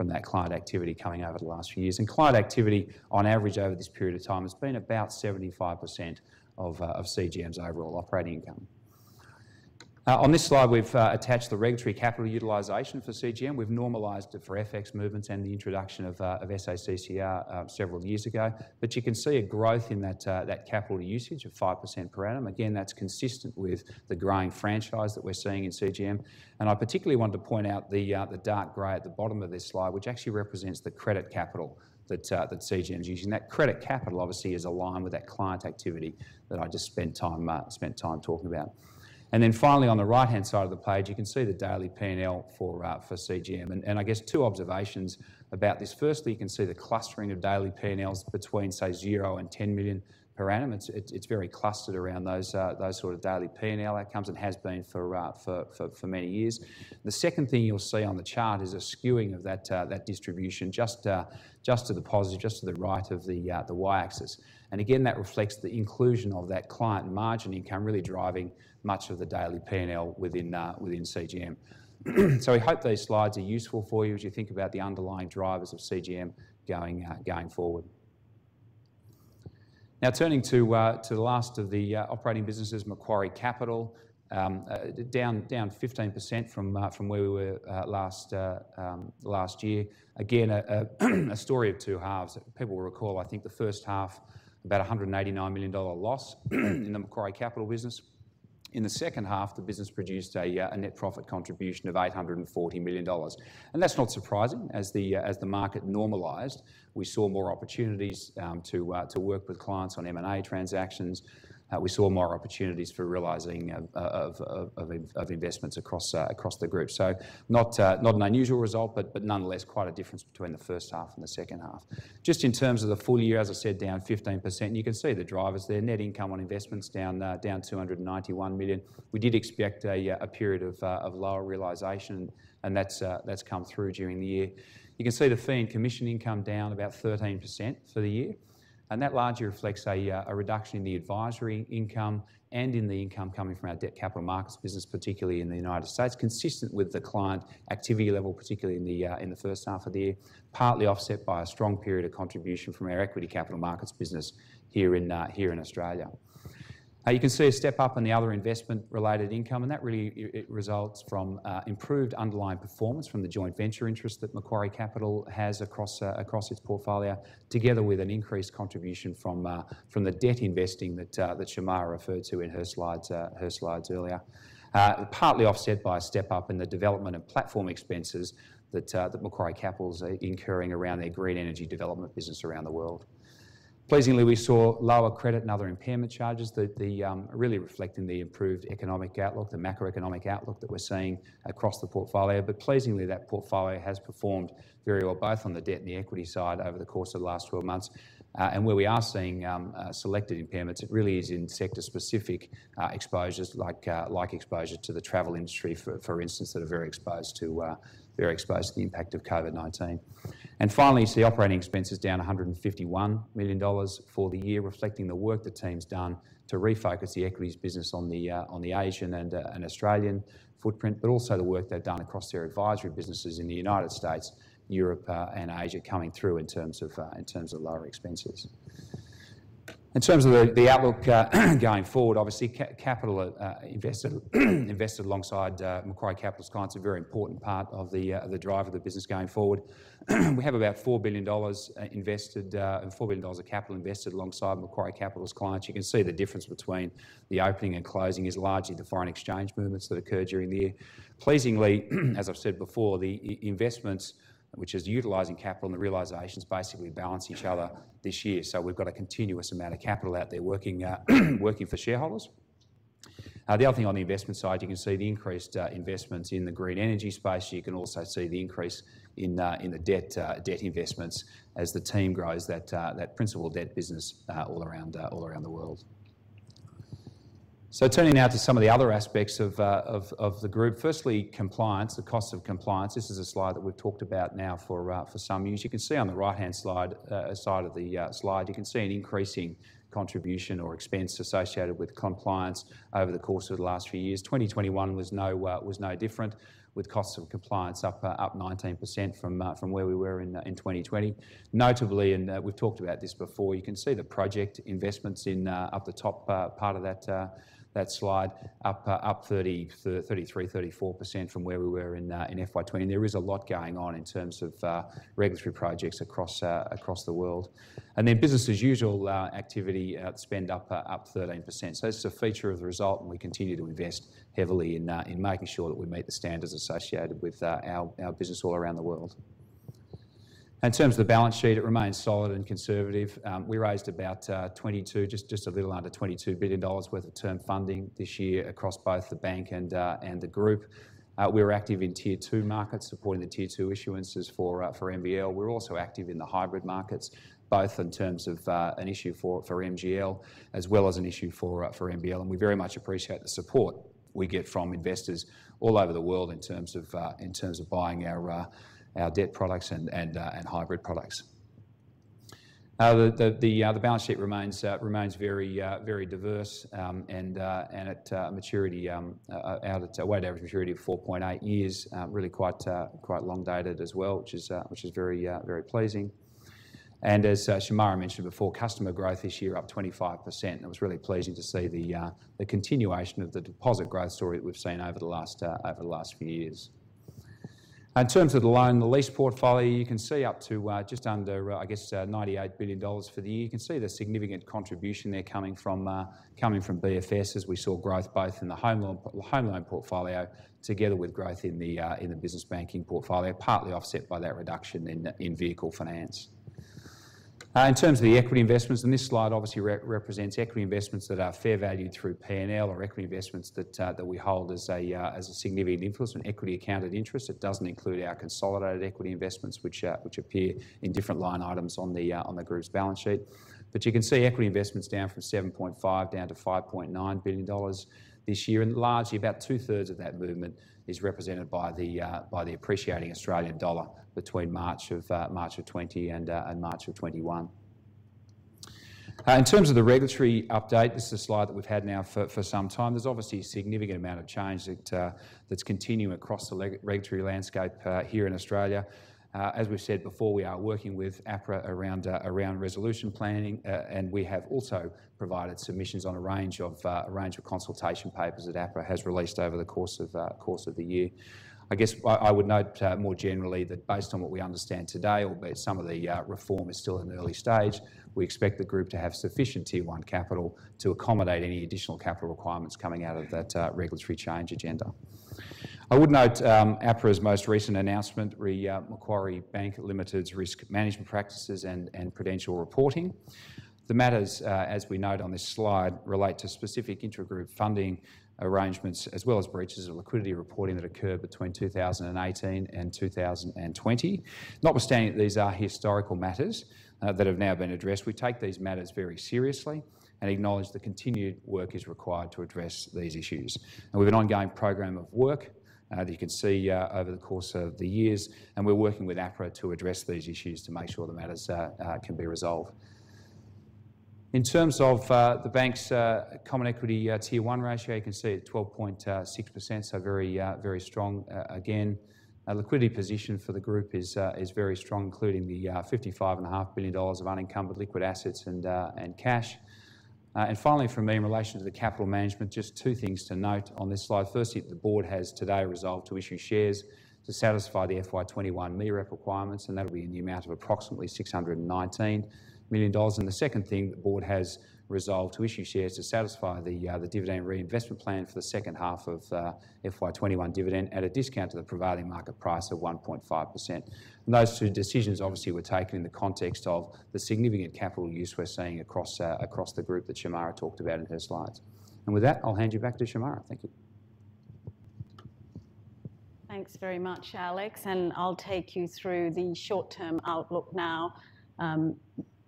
that client activity coming over the last few years. Client activity on average over this period of time has been about 75% of CGM's overall operating income. On this slide, we've attached the regulatory capital utilization for CGM. We've normalized it for FX movements and the introduction of SA-CCR several years ago. You can see a growth in that capital usage of 5% per annum. That's consistent with the growing franchise that we're seeing in CGM. I particularly want to point out the dark gray at the bottom of this slide, which actually represents the credit capital that CGM is using. That credit capital obviously is aligned with that client activity that I just spent time talking about. Finally, on the right-hand side of the page, you can see the daily P&L for CGM. I guess two observations about this. Firstly, you can see the clustering of daily P&Ls between, say, zero and 10 million per annum. It's very clustered around those sort of daily P&L outcomes and has been for many years. The second thing you'll see on the chart is a skewing of that distribution just to the positive, just to the right of the y-axis. Again, that reflects the inclusion of that client margin income really driving much of the daily P&L within CGM. We hope those slides are useful for you as you think about the underlying drivers of CGM going forward. Turning to the last of the operating businesses, Macquarie Capital, down 15% from where we were last year. Again, a story of two halves. People will recall, I think the first half, about 189 million dollar loss in the Macquarie Capital business. In the second half, the business produced a net profit contribution of 840 million dollars. That's not surprising. As the market normalized, we saw more opportunities to work with clients on M&A transactions. We saw more opportunities for realizing of investments across the group. Not an unusual result, but nonetheless quite a difference between the first half and the second half. Just in terms of the full year, as I said, down 15%. You can see the drivers there. Net income on investment's down 291 million. We did expect a period of lower realization, and that's come through during the year. You can see the fee and commission income down about 13% for the year, and that largely reflects a reduction in the advisory income and in the income coming from our debt capital markets business, particularly in the U.S., consistent with the client activity level, particularly in the first half of the year, partly offset by a strong period of contribution from our equity capital markets business here in Australia. You can see a step up in the other investment-related income. That really results from improved underlying performance from the joint venture interest that Macquarie Capital has across its portfolio, together with an increased contribution from the debt investing that Shemara referred to in her slides earlier. Partly offset by a step up in the development and platform expenses that Macquarie Capital is incurring around their green energy development business around the world. Pleasingly, we saw lower credit and other impairment charges, really reflecting the improved economic outlook, the macroeconomic outlook that we're seeing across the portfolio. Pleasingly, that portfolio has performed very well, both on the debt and the equity side over the course of the last 12 months. Where we are seeing selected impairments, it really is in sector-specific exposures like exposure to the travel industry, for instance, that are very exposed to the impact of COVID-19. Finally, you see operating expenses down 151 million dollars for the year, reflecting the work the team's done to refocus the equities business on the Asian and Australian footprint, but also the work they've done across their advisory businesses in the U.S., Europe, and Asia coming through in terms of lower expenses. In terms of the outlook going forward, obviously capital invested alongside Macquarie Capital's clients, a very important part of the drive of the business going forward. We have about 4 billion dollars of capital invested alongside Macquarie Capital's clients. You can see the difference between the opening and closing is largely the foreign exchange movements that occurred during the year. Pleasingly, as I've said before, the investments, which is utilizing capital and the realizations basically balance each other this year. We've got a continuous amount of capital out there working for shareholders. The other thing on the investment side, you can see the increased investments in the green energy space. You can also see the increase in the debt investments as the team grows that principal debt business all around the world. Turning now to some of the other aspects of the group. Firstly, compliance, the cost of compliance. This is a slide that we've talked about now for some years. You can see on the right-hand side of the slide, you can see an increasing contribution or expense associated with compliance over the course of the last few years. 2021 was no different, with costs of compliance up 19% from where we were in 2020. Notably, we've talked about this before, you can see the project investments in the up-the-top part of that slide, up 33%, 34% from where we were in FY20. There is a lot going on in terms of regulatory projects across the world. Business as usual activity spend up 13%. That's a feature of the result, and we continue to invest heavily in making sure that we meet the standards associated with our business all around the world. In terms of the balance sheet, it remains solid and conservative. We raised about just a little under 22 billion dollars worth of term funding this year across both the bank and the group. We're active in T2 markets, supporting the T2 issuances for MBL. We're also active in the hybrid markets, both in terms of an issue for MGL as well as an issue for MBL, and we very much appreciate the support we get from investors all over the world in terms of buying our debt products and hybrid products. The balance sheet remains very diverse and at a weighted average maturity of 4.8 years, really quite long-dated as well, which is very pleasing. As Shemara mentioned before, customer growth this year up 25%, and it was really pleasing to see the continuation of the deposit growth story that we've seen over the last few years. In terms of the loan, the lease portfolio, you can see up to just under, I guess, 98 billion dollars for the year. You can see the significant contribution there coming from BFS as we saw growth both in the home loan portfolio together with growth in the business banking portfolio, partly offset by that reduction in vehicle finance. In terms of the equity investments, and this slide obviously represents equity investments that are fair valued through P&L or equity investments that we hold as a significant influence and equity accounted interest. It doesn't include our consolidated equity investments which appear in different line items on the group's balance sheet. You can see equity investments down from 7.5 down to 5.9 billion dollars this year, and largely about two-thirds of that movement is represented by the appreciating Australian dollar between March of 2020 and March of 2021. In terms of the regulatory update, this is a slide that we've had now for some time. There's obviously a significant amount of change that's continuing across the regulatory landscape here in Australia. As we've said before, we are working with APRA around resolution planning. We have also provided submissions on a range of consultation papers that APRA has released over the course of the year. I guess I would note more generally that based on what we understand today, albeit some of the reform is still in the early stage, we expect the group to have sufficient T1 capital to accommodate any additional capital requirements coming out of that regulatory change agenda. I would note APRA's most recent announcement re Macquarie Bank Limited's risk management practices and prudential reporting. The matters, as we note on this slide, relate to specific intragroup funding arrangements as well as breaches of liquidity reporting that occurred between 2018 and 2020. Notwithstanding that these are historical matters that have now been addressed, we take these matters very seriously and acknowledge the continued work is required to address these issues. We have an ongoing program of work that you can see over the course of the years, and we're working with APRA to address these issues to make sure the matters can be resolved. In terms of the bank's common equity Tier 1 ratio, you can see it 12.6%, so very strong again. Liquidity position for the group is very strong, including the 55.5 billion dollars of unencumbered liquid assets and cash. Finally from me, in relation to the capital management, just two things to note on this slide. Firstly, the board has today resolved to issue shares to satisfy the FY 2021 MEREP requirements, and that'll be in the amount of approximately 619 million dollars. The second thing, the board has resolved to issue shares to satisfy the dividend reinvestment plan for the second half of FY 2021 dividend at a discount to the prevailing market price of 1.5%. Those two decisions obviously were taken in the context of the significant capital use we're seeing across the group that Shemara talked about in her slides. With that, I'll hand you back to Shemara. Thank you. Thanks very much, Alex. I'll take you through the short-term outlook now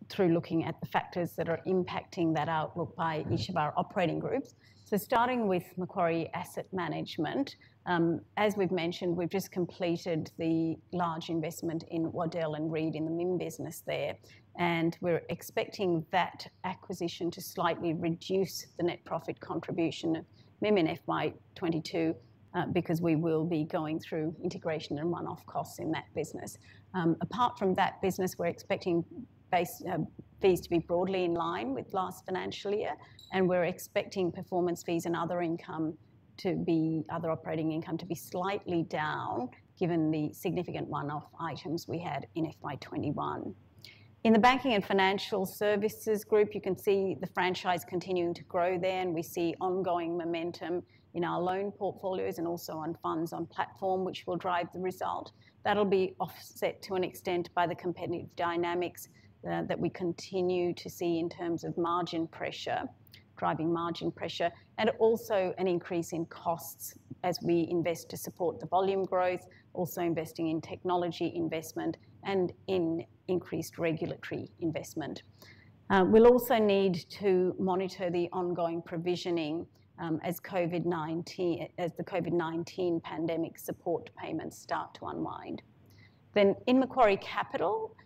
through looking at the factors that are impacting that outlook by each of our operating groups. Starting with Macquarie Asset Management. As we've mentioned, we've just completed the large investment in Waddell & Reed in the MIM business there, and we're expecting that acquisition to slightly reduce the net profit contribution of MIM in FY 2022 because we will be going through integration and one-off costs in that business. Apart from that business, we're expecting fees to be broadly in line with last financial year, and we're expecting performance fees and other operating income to be slightly down given the significant one-off items we had in FY 2021. In the Banking and Financial Services group, you can see the franchise continuing to grow there, and we see ongoing momentum in our loan portfolios and also on funds on platform, which will drive the result. That'll be offset to an extent by the competitive dynamics that we continue to see in terms of margin pressure, driving margin pressure, and also an increase in costs as we invest to support the volume growth, also investing in technology investment and in increased regulatory investment. We'll also need to monitor the ongoing provisioning as the COVID-19 pandemic support payments start to unwind. In Macquarie Capital,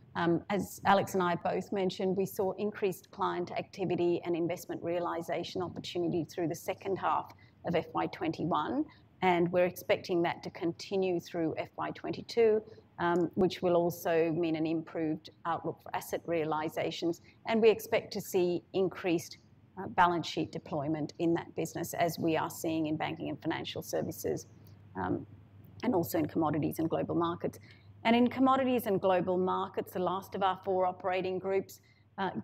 as Alex and I both mentioned, we saw increased client activity and investment realization opportunity through the second half of FY 2021, and we're expecting that to continue through FY 2022, which will also mean an improved outlook for asset realizations. We expect to see increased balance sheet deployment in that business, as we are seeing in Banking and Financial Services, and also in Commodities and Global Markets. In Commodities and Global Markets, the last of our four operating groups,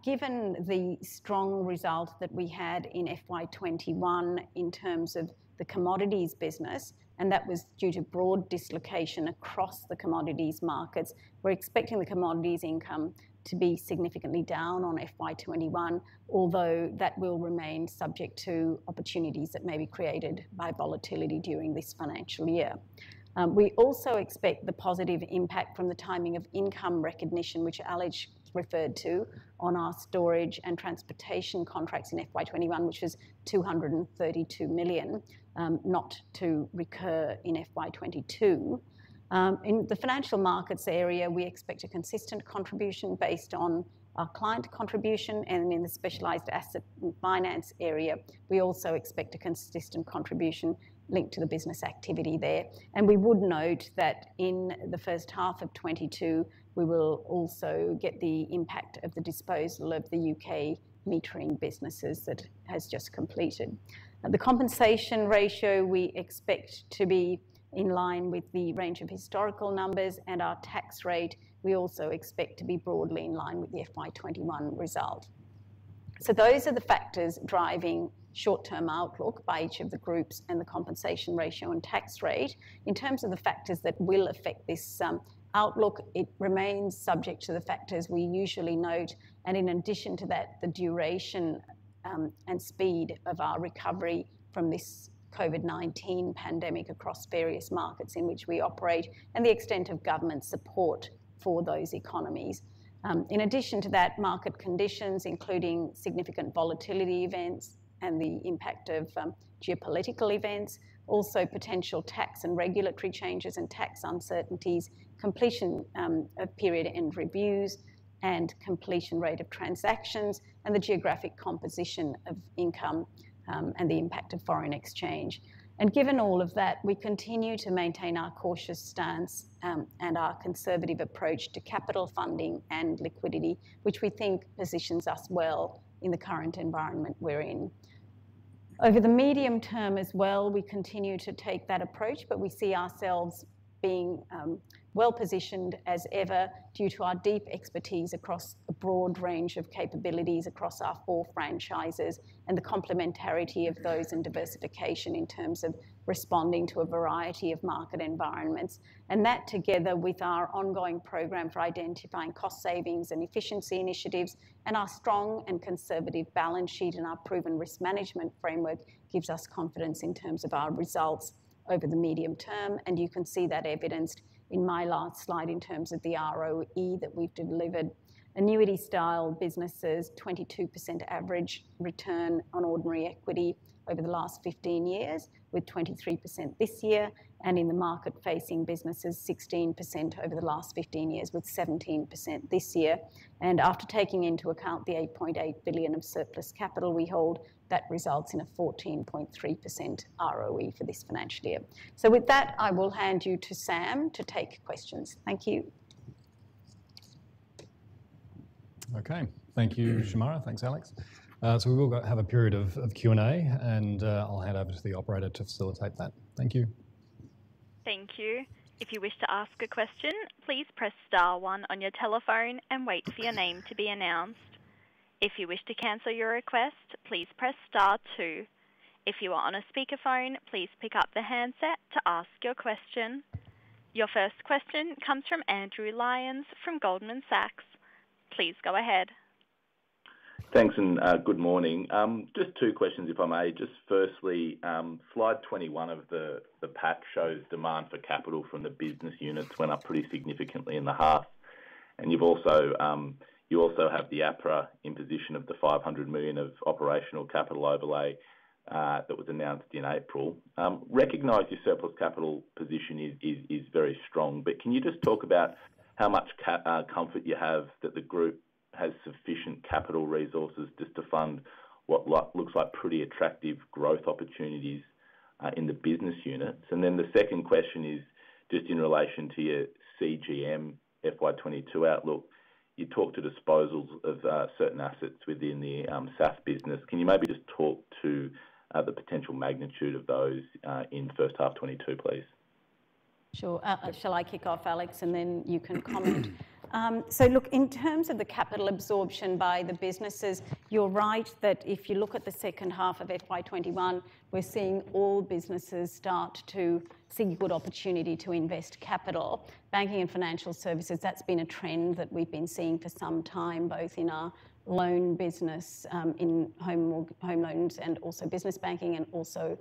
given the strong result that we had in FY 2021 in terms of the commodities business, and that was due to broad dislocation across the commodities markets, we're expecting the commodities income to be significantly down on FY 2021, although that will remain subject to opportunities that may be created by volatility during this financial year. We also expect the positive impact from the timing of income recognition, which Alex referred to on our storage and transportation contracts in FY 2021, which is 232 million, not to recur in FY 2022. In the financial markets area, we expect a consistent contribution based on our client contribution, and in the specialized asset finance area, we also expect a consistent contribution linked to the business activity there. We would note that in the first half of 2022, we will also get the impact of the disposal of the U.K. metering businesses that has just completed. The compensation ratio we expect to be in line with the range of historical numbers, and our tax rate we also expect to be broadly in line with the FY 2021 result. Those are the factors driving short-term outlook by each of the groups and the compensation ratio and tax rate. In terms of the factors that will affect this outlook, it remains subject to the factors we usually note, and in addition to that, the duration and speed of our recovery from this COVID-19 pandemic across various markets in which we operate, and the extent of government support for those economies. In addition to that, market conditions, including significant volatility events and the impact of geopolitical events, also potential tax and regulatory changes and tax uncertainties, completion of period-end reviews, and completion rate of transactions, and the geographic composition of income, and the impact of foreign exchange. Given all of that, we continue to maintain our cautious stance and our conservative approach to capital funding and liquidity, which we think positions us well in the current environment we're in. Over the medium term as well, we continue to take that approach, but we see ourselves being well-positioned as ever due to our deep expertise across a broad range of capabilities across our four franchises, and the complementarity of those, and diversification in terms of responding to a variety of market environments. That, together with our ongoing program for identifying cost savings and efficiency initiatives, and our strong and conservative balance sheet, and our proven risk management framework, gives us confidence in terms of our results over the medium term. You can see that evidenced in my last slide in terms of the ROE that we've delivered. Annuity style businesses, 22% average return on ordinary equity over the last 15 years, with 23% this year. In the market-facing businesses, 16% over the last 15 years, with 17% this year. After taking into account the 8.8 billion of surplus capital we hold, that results in a 14.3% ROE for this financial year. With that, I will hand you to Sam to take questions. Thank you. Okay. Thank you, Shemara. Thanks, Alex. We will have a period of Q&A, and I'll hand over to the operator to facilitate that. Thank you. Thank you. If you wish to ask a question, please press star one on your telephone and wait for your name to be announced. If you wish to cancel your request, please press star two. If you are on a speakerphone, please pick up the handset to ask your questions. Your first question comes from Andrew Lyons from Goldman Sachs. Please go ahead. Thanks, good morning. Just two questions, if I may. Firstly, slide 21 of the pack shows demand for capital from the business units went up pretty significantly in the half, and you also have the APRA imposition of the 500 million of operational capital overlay that was announced in April. Recognize your surplus capital position is very strong, can you talk about how much comfort you have that the group has sufficient capital resources to fund what looks like pretty attractive growth opportunities in the business units? The second question is in relation to your CGM FY 2022 outlook. You talked to disposals of certain assets within the SAF business. Can you maybe talk to the potential magnitude of those in first half 2022, please? Sure. Shall I kick off, Alex, and then you can comment? Look, in terms of the capital absorption by the businesses, you're right that if you look at the second half of FY 2021, we're seeing all businesses start to see good opportunity to invest capital. Banking and Financial Services, that's been a trend that we've been seeing for some time, both in our loan business, in home loans, and also business banking, and also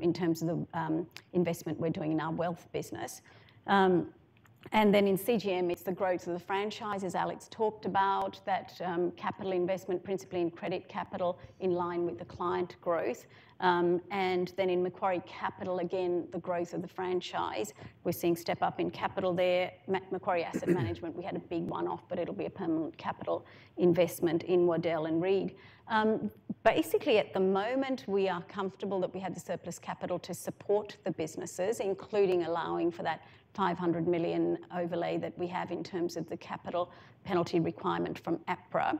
in terms of the investment we're doing in our wealth business. In CGM, it's the growth of the franchise, as Alex talked about, that capital investment principally in credit capital in line with the client growth. In Macquarie Capital, again, the growth of the franchise. We're seeing step up in capital there. Macquarie Asset Management, we had a big one-off, but it'll be a permanent capital investment in Waddell & Reed. Basically, at the moment, we are comfortable that we have the surplus capital to support the businesses, including allowing for that 500 million overlay that we have in terms of the capital penalty requirement from APRA,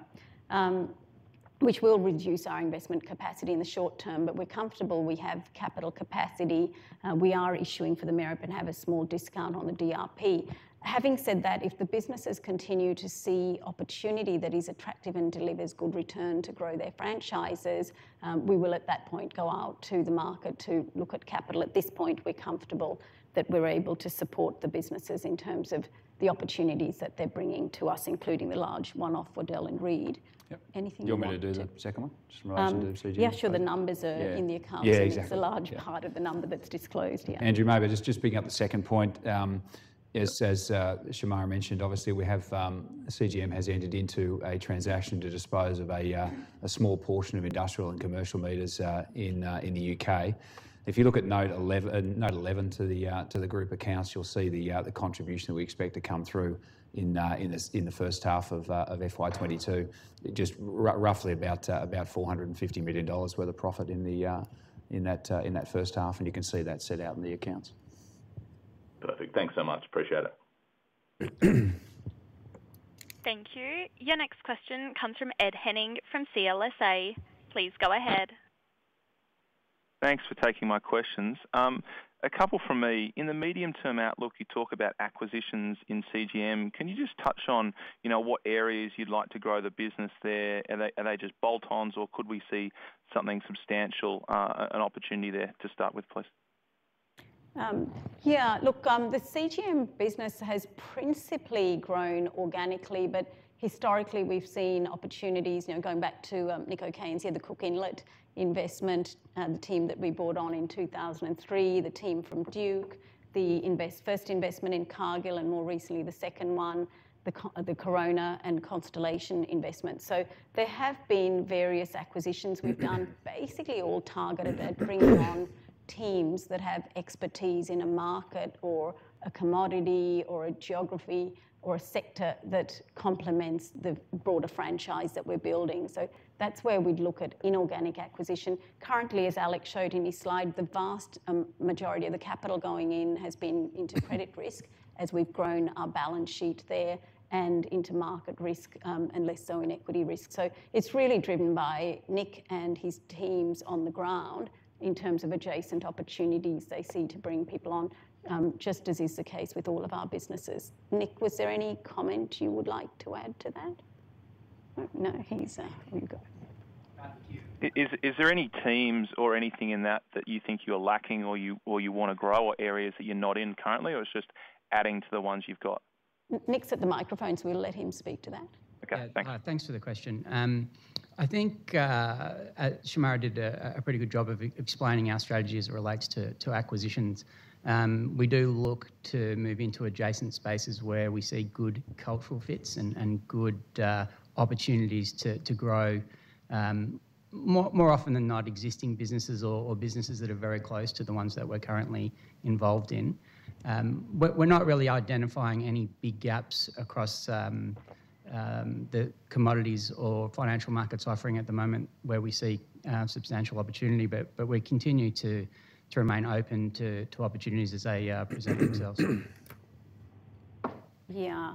which will reduce our investment capacity in the short term. We're comfortable we have capital capacity. We are issuing for the MEREP but have a small discount on the DRP. Having said that, if the businesses continue to see opportunity that is attractive and delivers good return to grow their franchises, we will at that point go out to the market to look at capital. At this point, we're comfortable that we're able to support the businesses in terms of the opportunities that they're bringing to us, including the large one-off Waddell & Reed. Yep. Anything you'd like to. You want me to do the second one, just in relation to CGM? Yeah, sure. Yeah in the accounts. Yeah, exactly. It's a large part of the number that's disclosed, yeah. Andrew. Just picking up the second point. As Shemara mentioned, obviously CGM has entered into a transaction to dispose of a small portion of industrial and commercial meters in the U.K. If you look at note 11 to the group accounts, you'll see the contribution that we expect to come through in the first half of FY 2022. Just roughly about 450 million dollars worth of profit in that first half, and you can see that set out in the accounts. Perfect. Thanks so much. Appreciate it. Thank you. Your next question comes from Ed Henning from CLSA. Please go ahead. Thanks for taking my questions. A couple from me. In the medium-term outlook, you talk about acquisitions in CGM. Can you just touch on what areas you'd like to grow the business there? Are they just bolt-ons, or could we see something substantial, an opportunity there to start with, please? The CGM business has principally grown organically. Historically, we've seen opportunities, going back to Nick O'Kane, the Cook Inlet investment, the team that we brought on in 2003, the team from Duke, the first investment in Cargill and more recently the second one, the Corona and Constellation investment. There have been various acquisitions we've done, basically all targeted that bring on teams that have expertise in a market or a commodity or a geography or a sector that complements the broader franchise that we're building. That's where we'd look at inorganic acquisition. Currently, as Alex showed in his slide, the vast majority of the capital going in has been into credit risk as we've grown our balance sheet there and into market risk, and less so in equity risk. It's really driven by Nick and his teams on the ground in terms of adjacent opportunities they see to bring people on, just as is the case with all of our businesses. Nick, was there any comment you would like to add to that? No, you go. Is there any teams or anything in that that you think you're lacking or you want to grow, or areas that you're not in currently? It's just adding to the ones you've got? Nick's at the microphone, so we'll let him speak to that. Okay. Thanks. Thanks for the question. I think Shemara did a pretty good job of explaining our strategy as it relates to acquisitions. We do look to move into adjacent spaces where we see good cultural fits and good opportunities to grow, more often than not existing businesses or businesses that are very close to the ones that we're currently involved in. We're not really identifying any big gaps across the commodities or financial markets offering at the moment where we see substantial opportunity. We continue to remain open to opportunities as they present themselves. Yeah.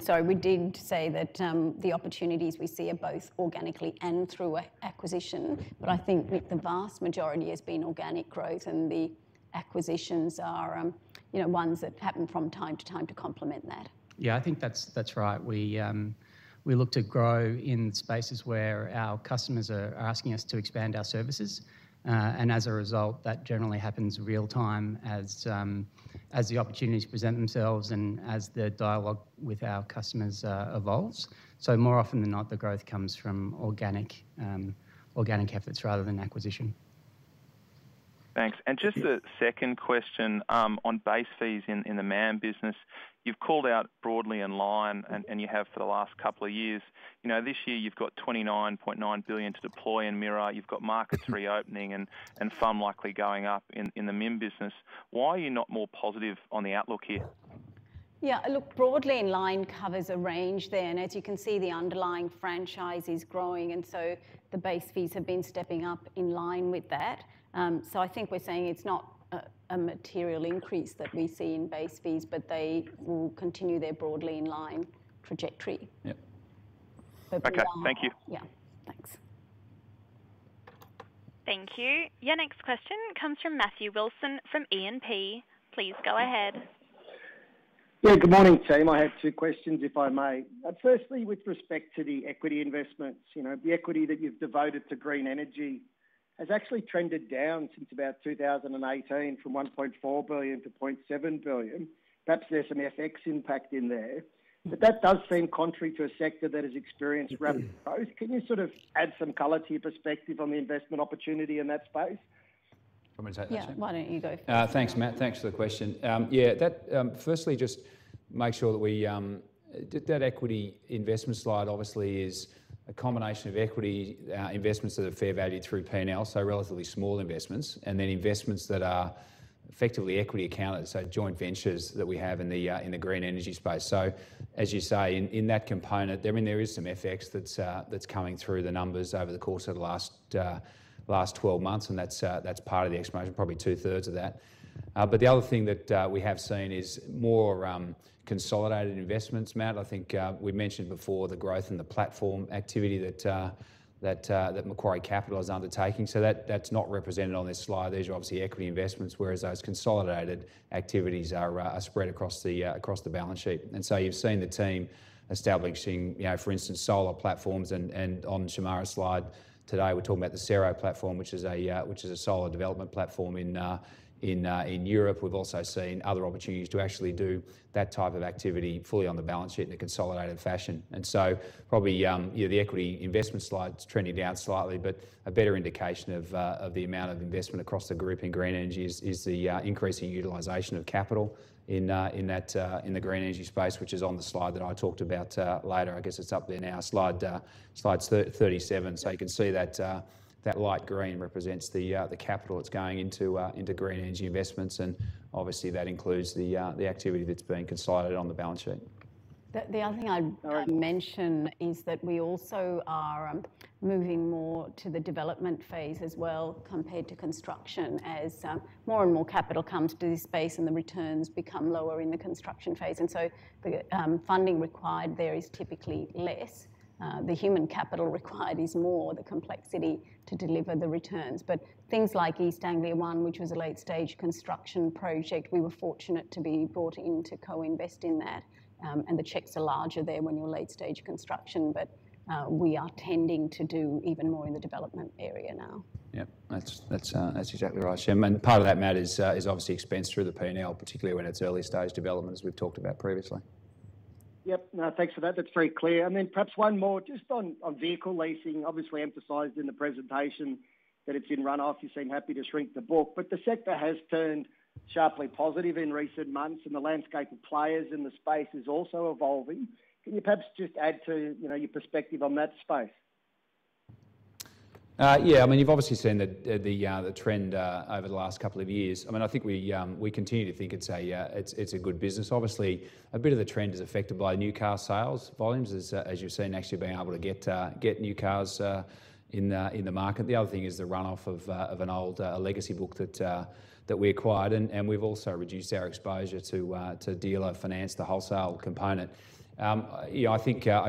Sorry, we did say that the opportunities we see are both organically and through acquisition. I think, Nick, the vast majority has been organic growth and the acquisitions are ones that happen from time to time to complement that. Yeah, I think that's right. We look to grow in spaces where our customers are asking us to expand our services. As a result, that generally happens real-time as the opportunities present themselves and as the dialogue with our customers evolves. More often than not, the growth comes from organic efforts rather than acquisition. Thanks. Cheers. Just a second question on base fees in the MAM business. You've called out broadly in line, and you have for the last couple of years. This year you've got 29.9 billion to deploy in MIRA. You've got markets reopening and FUM likely going up in the MIM business. Why are you not more positive on the outlook here? Look, broadly in line covers a range there, and as you can see, the underlying franchise is growing. The base fees have been stepping up in line with that. I think we're saying it's not a material increase that we see in base fees, but they will continue their broadly in line trajectory. Yep. Hope you are- Okay. Thank you. Yeah. Thanks. Thank you. Your next question comes from Matthew Wilson from E&P. Please go ahead. Yeah, good morning, team. I have two questions, if I may. Firstly, with respect to the equity investments. The equity that you've devoted to green energy has actually trended down since about 2018 from 1.4 billion to 0.7 billion. Perhaps there's some FX impact in there. That does seem contrary to a sector that has experienced rapid growth. Can you add some color to your perspective on the investment opportunity in that space? You want me to take that, Sham? Yeah, why don't you go for it? Thanks, Matt. Thanks for the question. Firstly just make sure that equity investment slide obviously is a combination of equity investments that are fair valued through P&L, so relatively small investments, and then investments that are effectively equity accounted. Joint ventures that we have in the green energy space. As you say, in that component, there is some FX that's coming through the numbers over the course of the last 12 months, and that's part of the exposure, probably two-thirds of that. The other thing that we have seen is more consolidated investments, Matt. I think we mentioned before the growth in the platform activity that Macquarie Capital is undertaking. That's not represented on this slide. These are obviously equity investments, whereas those consolidated activities are spread across the balance sheet. You've seen the team establishing, for instance, solar platforms. On Shemara's slide today, we're talking about the Cero platform, which is a solar development platform in Europe. We've also seen other opportunities to actually do that type of activity fully on the balance sheet in a consolidated fashion. Probably, the equity investment slide's trending down slightly, but a better indication of the amount of investment across the group in green energy is the increase in utilization of capital in the green energy space, which is on the slide that I talked about later. I guess it's up there now, slide 37. You can see that light green represents the capital that's going into green energy investments, and obviously, that includes the activity that's been consolidated on the balance sheet. The other thing I'd mention is that we also are moving more to the development phase as well compared to construction, as more and more capital comes to this space and the returns become lower in the construction phase. The funding required there is typically less. The human capital required is more, the complexity to deliver the returns. Things like East Anglia One, which was a late-stage construction project, we were fortunate to be brought in to co-invest in that. The checks are larger there when you're late-stage construction, but we are tending to do even more in the development area now. Yep. That's exactly right, Sham. Part of that, Matt, is obviously expense through the P&L, particularly when it's early-stage development, as we've talked about previously. Yep. No, thanks for that. That's very clear. Perhaps one more just on vehicle leasing. Obviously emphasized in the presentation that it's in runoff. You seem happy to shrink the book, but the sector has turned sharply positive in recent months, and the landscape of players in the space is also evolving. Can you perhaps just add to your perspective on that space? Yeah, you've obviously seen the trend over the last couple of years. I think we continue to think it's a good business. Obviously, a bit of the trend is affected by new car sales volumes, as you've seen, actually being able to get new cars in the market. The other thing is the runoff of an old legacy book that we acquired, and we've also reduced our exposure to dealer finance, the wholesale component. I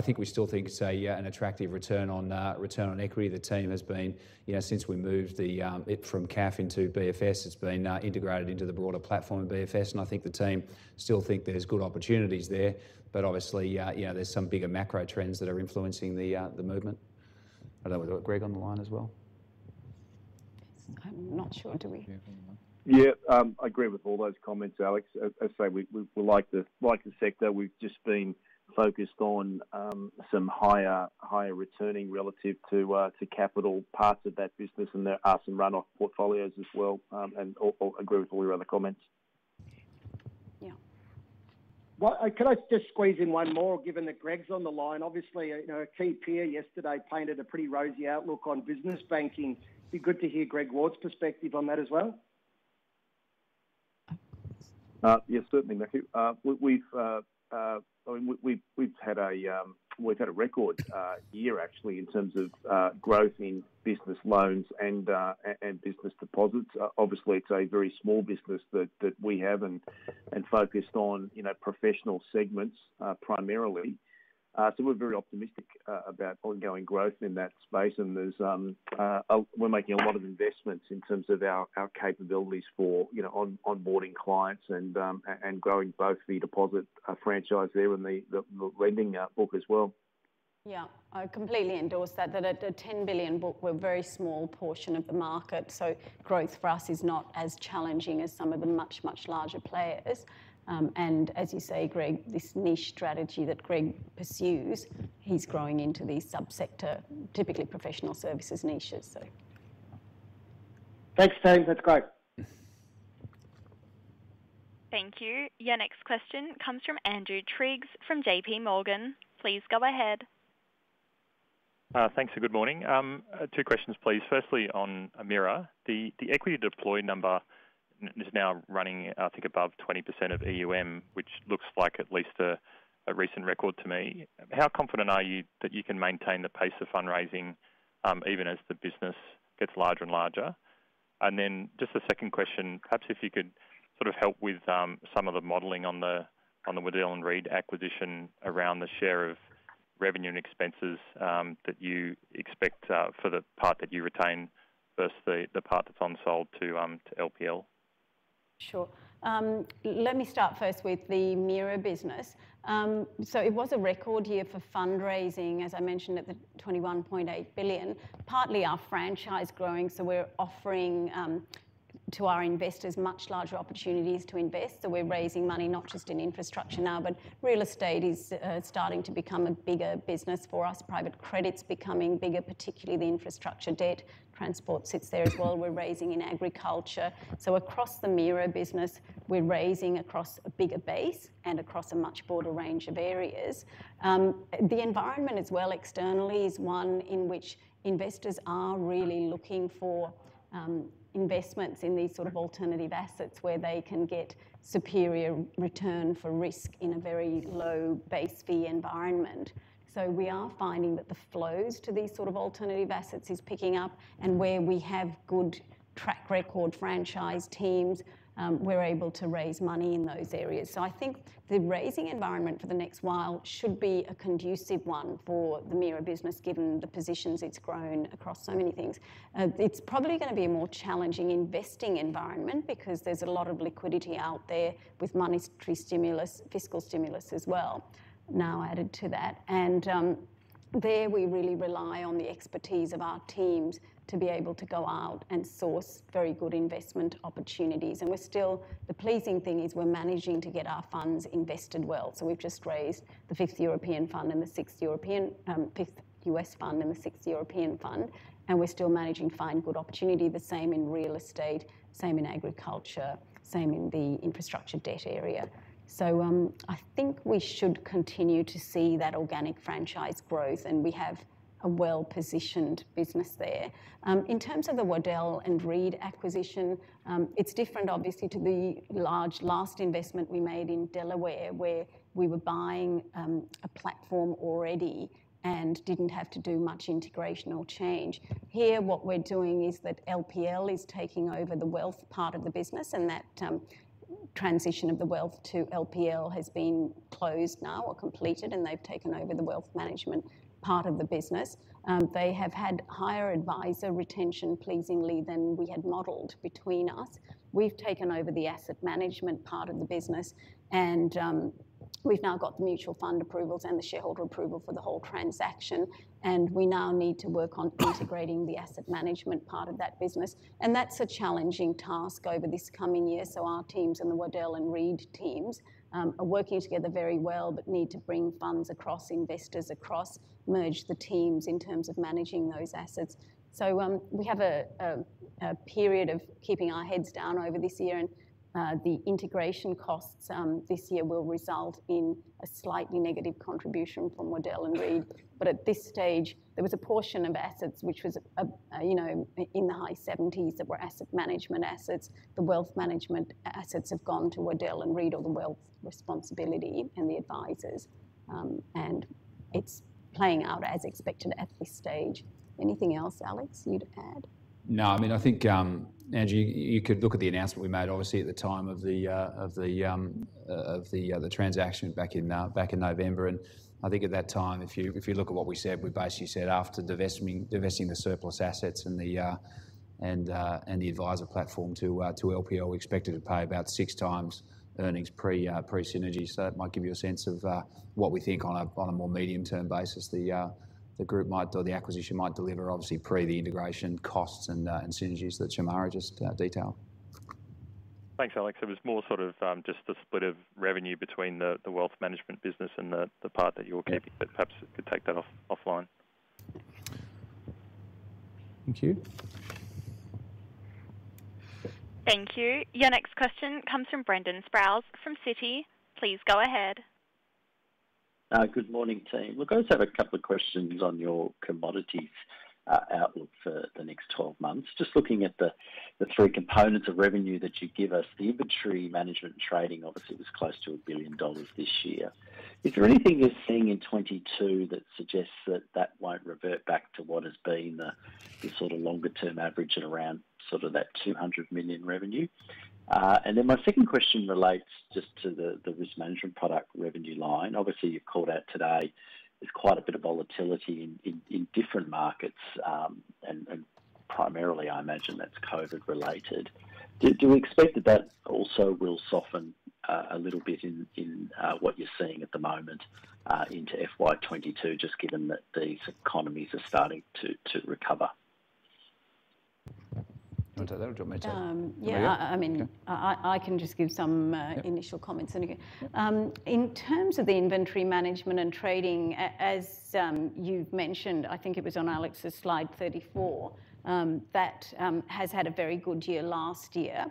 think we still think it's an attractive return on equity. The team has been, since we moved it from CAF into BFS, it's been integrated into the broader platform of BFS, and I think the team still think there's good opportunities there. Obviously, there's some bigger macro trends that are influencing the movement. I don't know, we've got Greg on the line as well. I'm not sure. Do we? Yeah. I agree with all those comments, Alex. As I say, we like the sector. We've just been focused on some higher returning relative to capital parts of that business, and there are some runoff portfolios as well. I agree with all your other comments. Yeah. Can I just squeeze in one more, given that Greg's on the line? Obviously, a key peer yesterday painted a pretty rosy outlook on business banking. It'd be good to hear Greg Ward's perspective on that as well. Yes, certainly, Matthew. We've had a record year, actually, in terms of growth in business loans and business deposits. Obviously, it's a very small business that we have and focused on professional segments, primarily. We're very optimistic about ongoing growth in that space. We're making a lot of investments in terms of our capabilities for onboarding clients and growing both the deposit franchise there and the lending book as well. Yeah. I completely endorse that. At a 10 billion book, we're a very small portion of the market. Growth for us is not as challenging as some of the much larger players. As you say, Greg, this niche strategy that Greg pursues, he's growing into these sub-sector, typically professional services niches. Thanks, team. That's great. Thank you. Your next question comes from Andrew Triggs from JPMorgan. Please go ahead. Thanks, good morning. Two questions, please. Firstly, on MIRA. The equity deploy number is now running, I think, above 20% of EUM, which looks like at least a recent record to me. How confident are you that you can maintain the pace of fundraising even as the business gets larger and larger? Just a second question, perhaps if you could sort of help with some of the modeling on the Waddell & Reed acquisition around the share of revenue and expenses that you expect for the part that you retain versus the part that's on sold to LPL. Sure. Let me start first with the MIRA business. It was a record year for fundraising, as I mentioned, at the 21.8 billion. Partly our franchise growing, so we're offering to our investors much larger opportunities to invest. We're raising money not just in infrastructure now, but real estate is starting to become a bigger business for us. Private credit's becoming bigger, particularly the infrastructure debt. Transport sits there as well. We're raising in agriculture. Across the MIRA business, we're raising across a bigger base and across a much broader range of areas. The environment as well externally is one in which investors are really looking for investments in these sort of alternative assets where they can get superior return for risk in a very low base fee environment. We are finding that the flows to these sort of alternative assets is picking up, and where we have good track record franchise teams, we're able to raise money in those areas. I think the raising environment for the next while should be a conducive one for the MIRA business, given the positions it's grown across so many things. It's probably going to be a more challenging investing environment because there's a lot of liquidity out there with monetary stimulus, fiscal stimulus as well now added to that. There we really rely on the expertise of our teams to be able to go out and source very good investment opportunities. The pleasing thing is we're managing to get our funds invested well. We've just raised the fifth U.S. fund and the sixth European fund, and we're still managing to find good opportunity. The same in real estate, same in agriculture, same in the infrastructure debt area. I think we should continue to see that organic franchise growth, and we have a well-positioned business there. In terms of the Waddell & Reed acquisition, it's different obviously to the large last investment we made in Delaware Investments where we were buying a platform already and didn't have to do much integration or change. Here what we're doing is that LPL Financial is taking over the wealth part of the business, and that transition of the wealth to LPL Financial has been closed now or completed, and they've taken over the wealth management part of the business. They have had higher adviser retention pleasingly than we had modeled between us. We've taken over the asset management part of the business, we've now got the mutual fund approvals and the shareholder approval for the whole transaction, and we now need to work on integrating the asset management part of that business. That's a challenging task over this coming year. Our teams and the Waddell & Reed teams are working together very well but need to bring funds across investors, across merge the teams in terms of managing those assets. We have a period of keeping our heads down over this year and the integration costs this year will result in a slightly negative contribution from Waddell & Reed. At this stage, there was a portion of assets which was in the high 70s that were asset management assets. The wealth management assets have gone to Waddell & Reed or the wealth responsibility and the advisers, and it's playing out as expected at this stage. Anything else, Alex, you'd add? No. I think, Andrew, you could look at the announcement we made obviously at the time of the transaction back in November. I think at that time, if you look at what we said, we basically said after divesting the surplus assets and the adviser platform to LPL, we expected to pay about six times earnings pre-synergy. That might give you a sense of what we think on a more medium-term basis the group might or the acquisition might deliver, obviously pre the integration costs and synergies that Shemara just detailed. Thanks, Alex. It was more sort of just the split of revenue between the wealth management business and the part that you're keeping, but perhaps could take that offline. Thank you. Thank you. Your next question comes from Brendan Sproules from Citi. Please go ahead. Good morning, team. Look, I just have a couple of questions on your commodities outlook for the next 12 months. Just looking at the three components of revenue that you give us, the inventory management trading obviously was close to 1 billion dollars this year. Is there anything you're seeing in FY 2022 that suggests that that won't revert back to what has been the sort of longer-term average at around sort of that 200 million revenue? My second question relates just to the risk management product revenue line. Obviously you've called out today there's quite a bit of volatility in different markets, and primarily I imagine that's COVID-19 related. Do you expect that that also will soften a little bit in what you're seeing at the moment into FY 2022, just given that these economies are starting to recover? I'll take that or do you want me to, Shemara? Yeah. Okay. I can just give some initial comments. In terms of the inventory management and trading, as you've mentioned, I think it was on Alex's slide 34, that has had a very good year last year.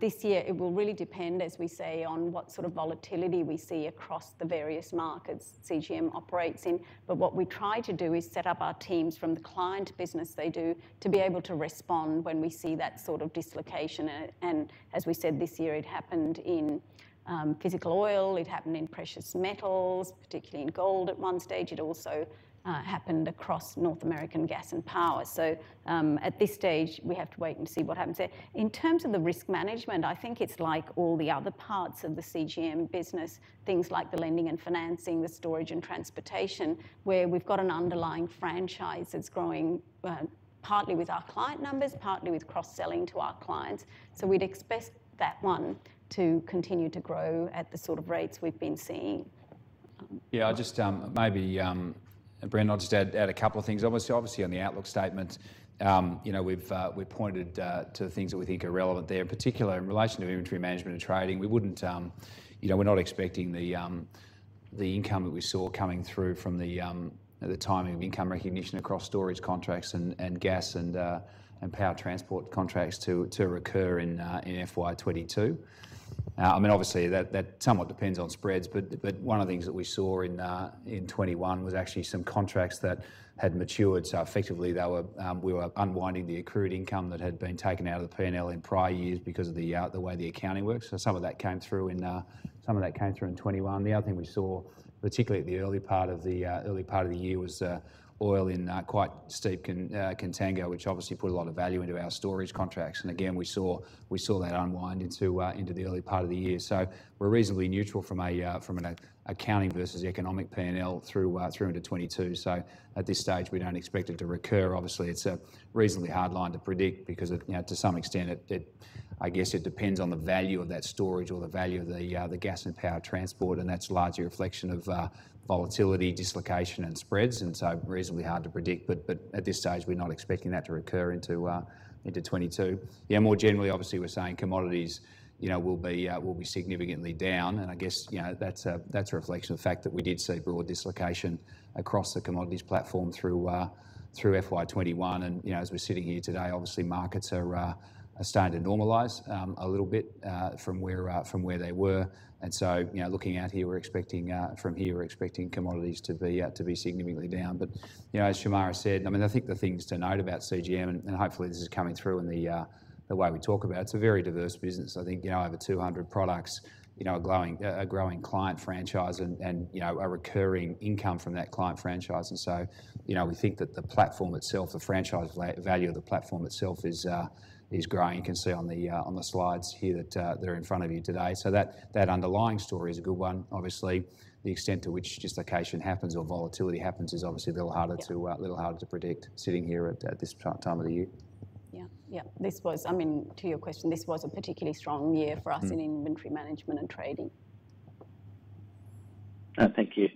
This year it will really depend, as we say, on what sort of volatility we see across the various markets CGM operates in. What we try to do is set up our teams from the client business they do to be able to respond when we see that sort of dislocation. As we said this year, it happened in physical oil, it happened in precious metals, particularly in gold at stage 1. It also happened across North American gas and power. At this stage, we have to wait and see what happens there. In terms of the risk management, I think it's like all the other parts of the CGM business, things like the lending and financing, the storage and transportation, where we've got an underlying franchise that's growing partly with our client numbers, partly with cross-selling to our clients. We'd expect that one to continue to grow at the sort of rates we've been seeing. Yeah, Brendan, I'll just add a couple of things. Obviously, on the outlook statement, we've pointed to the things that we think are relevant there. In particular, in relation to inventory management and trading, we're not expecting the income that we saw coming through from the timing of income recognition across storage contracts and gas and power transport contracts to recur in FY22. Obviously, that somewhat depends on spreads. One of the things that we saw in FY 2021 was actually some contracts that had matured, so effectively, we were unwinding the accrued income that had been taken out of the P&L in prior years because of the way the accounting works. Some of that came through in FY 2021. The other thing we saw, particularly at the early part of the year, was oil in quite steep contango, which obviously put a lot of value into our storage contracts. Again, we saw that unwind into the early part of the year. We're reasonably neutral from an accounting versus economic P&L through into 22. At this stage, we don't expect it to recur. Obviously, it's a reasonably hard line to predict because to some extent, I guess it depends on the value of that storage or the value of the gas and power transport, and that's largely a reflection of volatility, dislocation, and spreads, reasonably hard to predict. At this stage, we're not expecting that to recur into 22. More generally, obviously, we're saying commodities will be significantly down, and I guess that's a reflection of the fact that we did see broad dislocation across the commodities platform through FY21. As we're sitting here today, obviously markets are starting to normalize a little bit from where they were. Looking out here, from here, we're expecting commodities to be significantly down. As Shemara said, I think the things to note about CGM, and hopefully this is coming through in the way we talk about it's a very diverse business. I think over 200 products, a growing client franchise, and a recurring income from that client franchise. We think that the franchise value of the platform itself is growing. You can see on the slides here that are in front of you today. That underlying story is a good one. Obviously, the extent to which dislocation happens or volatility happens is obviously a little harder to predict sitting here at this time of the year. Yeah. To your question, this was a particularly strong year for us in inventory management and trading. Thank you.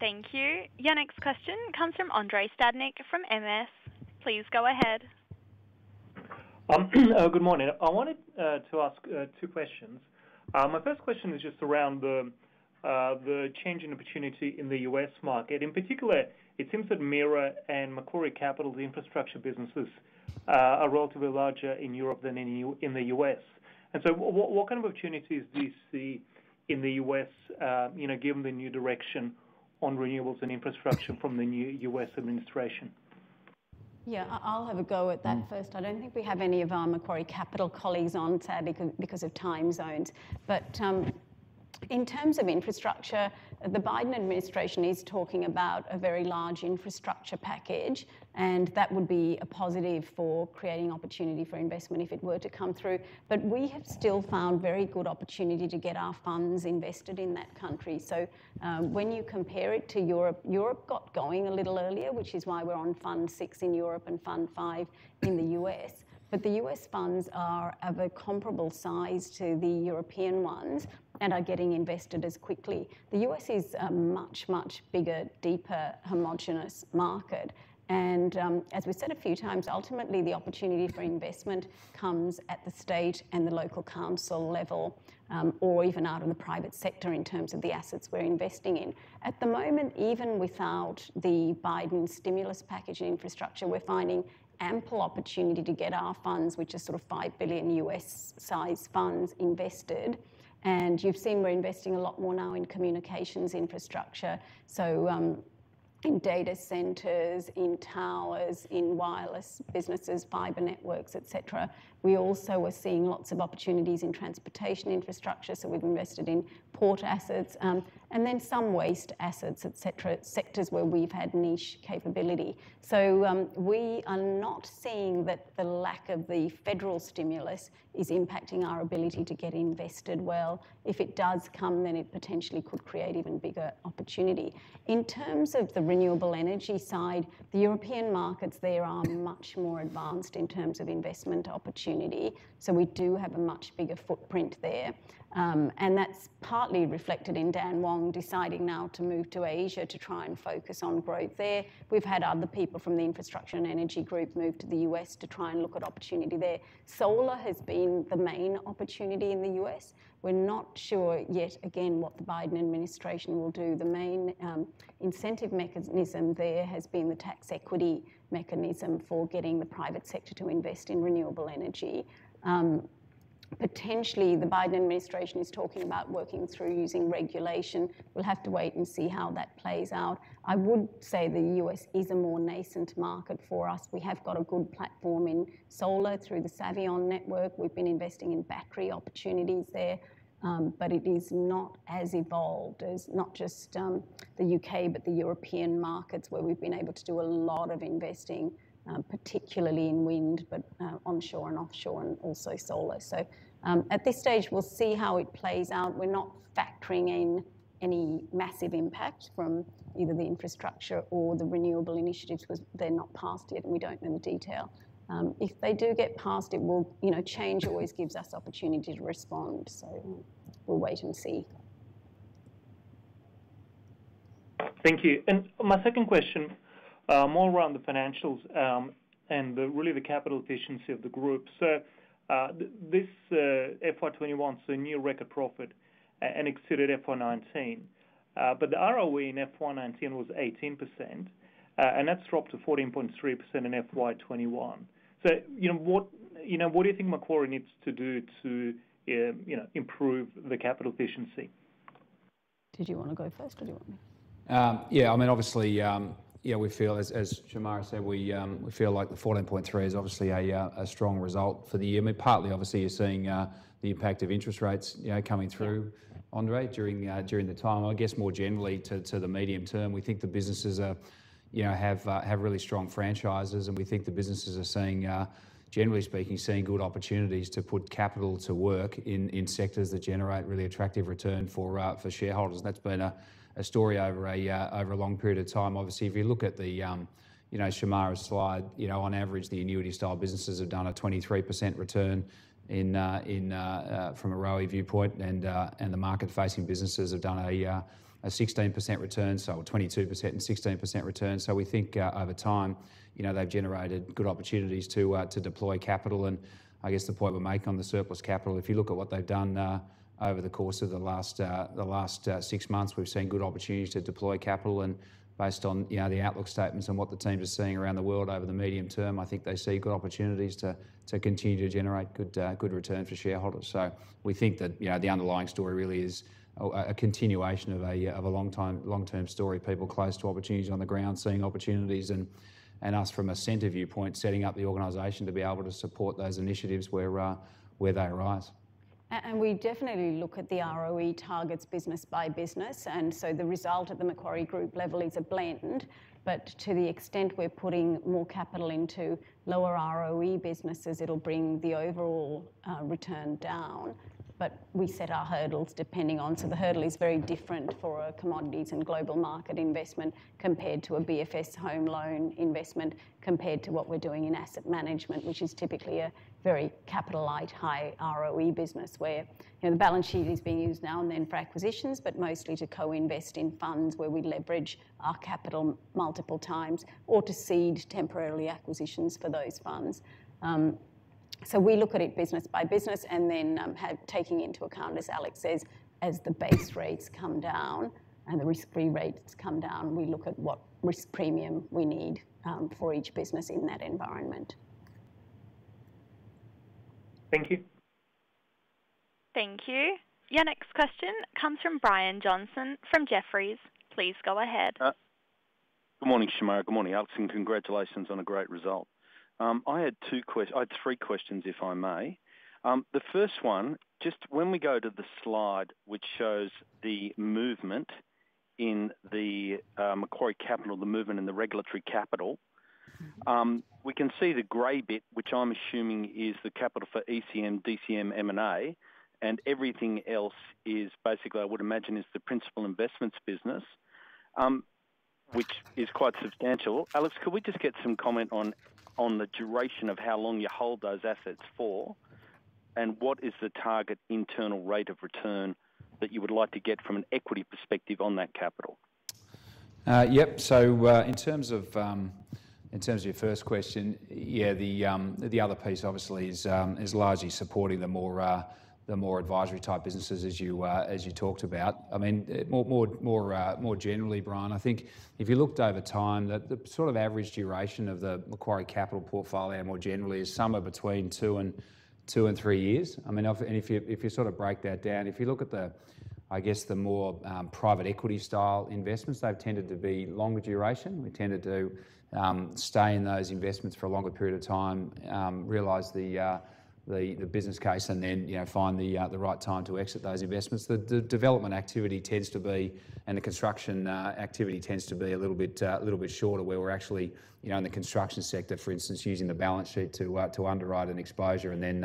Thank you. Your next question comes from Andrei Stadnik from MS. Please go ahead. Good morning. I wanted to ask two questions. My first question is just around the change in opportunity in the U.S. market. In particular, it seems that MIRA and Macquarie Capital, the infrastructure businesses, are relatively larger in Europe than in the U.S. What kind of opportunities do you see in the U.S., given the new direction on renewables and infrastructure from the new U.S. administration? Yeah, I'll have a go at that first. I don't think we have any of our Macquarie Capital colleagues on today because of time zones. In terms of infrastructure, the Biden administration is talking about a very large infrastructure package, and that would be a positive for creating opportunity for investment if it were to come through. When you compare it to Europe got going a little earlier, which is why we're on Fund Six in Europe and Fund Five in the U.S. The U.S. funds are of a comparable size to the European ones and are getting invested as quickly. The U.S. is a much, much bigger, deeper, homogenous market. As we've said a few times, ultimately, the opportunity for investment comes at the state and the local council level, or even out of the private sector in terms of the assets we're investing in. At the moment, even without the Biden stimulus package and infrastructure, we're finding ample opportunity to get our funds, which are sort of $5 billion size funds, invested. You've seen we're investing a lot more now in communications infrastructure, so in data centers, in towers, in wireless businesses, fiber networks, et cetera. We also are seeing lots of opportunities in transportation infrastructure, so we've invested in port assets, and then some waste assets, et cetera, sectors where we've had niche capability. We are not seeing that the lack of the federal stimulus is impacting our ability to get invested well. If it does come, it potentially could create even bigger opportunity. In terms of the renewable energy side, the European markets there are much more advanced in terms of investment opportunity, we do have a much bigger footprint there. That's partly reflected in Daniel Wong deciding now to move to Asia to try and focus on growth there. We've had other people from the infrastructure and energy group move to the U.S. to try and look at opportunity there. Solar has been the main opportunity in the U.S. We're not sure yet, again, what the Biden administration will do. The main incentive mechanism there has been the tax equity mechanism for getting the private sector to invest in renewable energy. Potentially, the Biden administration is talking about working through using regulation. We'll have to wait and see how that plays out. I would say the U.S. is a more nascent market for us. We have got a good platform in solar through the Savion network. We've been investing in battery opportunities there. It is not as evolved as not just the U.K., but the European markets, where we've been able to do a lot of investing, particularly in wind, but onshore and offshore and also solar. At this stage, we'll see how it plays out. We're not factoring any massive impact from either the infrastructure or the renewable initiatives because they're not passed yet and we don't know the detail. If they do get passed, change always gives us opportunity to respond. We'll wait and see. Thank you. My second question, more around the financials and really the capital efficiency of the group. This FY21 is a new record profit and exceeded FY 2019. The ROE in FY 2019 was 18%, and that's dropped to 14.3% in FY 2021. What do you think Macquarie needs to do to improve the capital efficiency? Did you want to go first or do you want me? Yeah, as Shemara said, we feel like the 14.3% is obviously a strong result for the year. Partly, obviously, you're seeing the impact of interest rates coming through, Andrei, during the time. I guess more generally to the medium term, we think the businesses have really strong franchises and we think the businesses are, generally speaking, seeing good opportunities to put capital to work in sectors that generate really attractive return for shareholders. That's been a story over a long period of time. Obviously, if you look at Shemara's slide, on average, the annuity style businesses have done a 23% return from a ROE viewpoint, and the market-facing businesses have done a 16% return. 22% and 16% return. We think over time, they've generated good opportunities to deploy capital. I guess the point we make on the surplus capital, if you look at what they've done over the course of the last six months, we've seen good opportunities to deploy capital. Based on the outlook statements and what the team is seeing around the world over the medium term, I think they see good opportunities to continue to generate good return for shareholders. We think that the underlying story really is a continuation of a long-term story. People close to opportunities on the ground, seeing opportunities, and us from a center viewpoint, setting up the organization to be able to support those initiatives where they arise. We definitely look at the ROE targets business by business. The result at the Macquarie Group level is a blend. To the extent we're putting more capital into lower ROE businesses, it'll bring the overall return down. We set our hurdles depending on, so the hurdle is very different for a Commodities and Global Markets investment compared to a BFS home loan investment, compared to what we're doing in Asset Management, which is typically a very capital light high ROE business where the balance sheet is being used now and then for acquisitions, but mostly to co-invest in funds where we leverage our capital multiple times or to seed temporarily acquisitions for those funds. We look at it business by business and then taking into account, as Alex says, as the base rates come down and the risk-free rates come down, we look at what risk premium we need for each business in that environment. Thank you. Thank you. Your next question comes from Brian Johnson from Jefferies. Please go ahead. Good morning, Shemara. Good morning, Alex, and congratulations on a great result. I had three questions, if I may. The first one, just when we go to the slide which shows the movement in the Macquarie Capital, the movement in the regulatory capital. We can see the gray bit, which I'm assuming is the capital for ECM, DCM, M&A, and everything else is basically, I would imagine is the principal investments business, which is quite substantial. Alex, could we just get some comment on the duration of how long you hold those assets for? What is the target internal rate of return that you would like to get from an equity perspective on that capital? Yep. In terms of your first question, yeah, the other piece obviously is largely supporting the more advisory type businesses as you talked about. More generally, Brian, I think if you looked over time, the average duration of the Macquarie Capital portfolio more generally is somewhere between two and three years. If you break that down, if you look at the more private equity style investments, they've tended to be longer duration. We tended to stay in those investments for a longer period of time, realize the business case, and then find the right time to exit those investments. The development activity tends to be, and the construction activity tends to be a little bit shorter, where we're actually in the construction sector, for instance, using the balance sheet to underwrite an exposure and then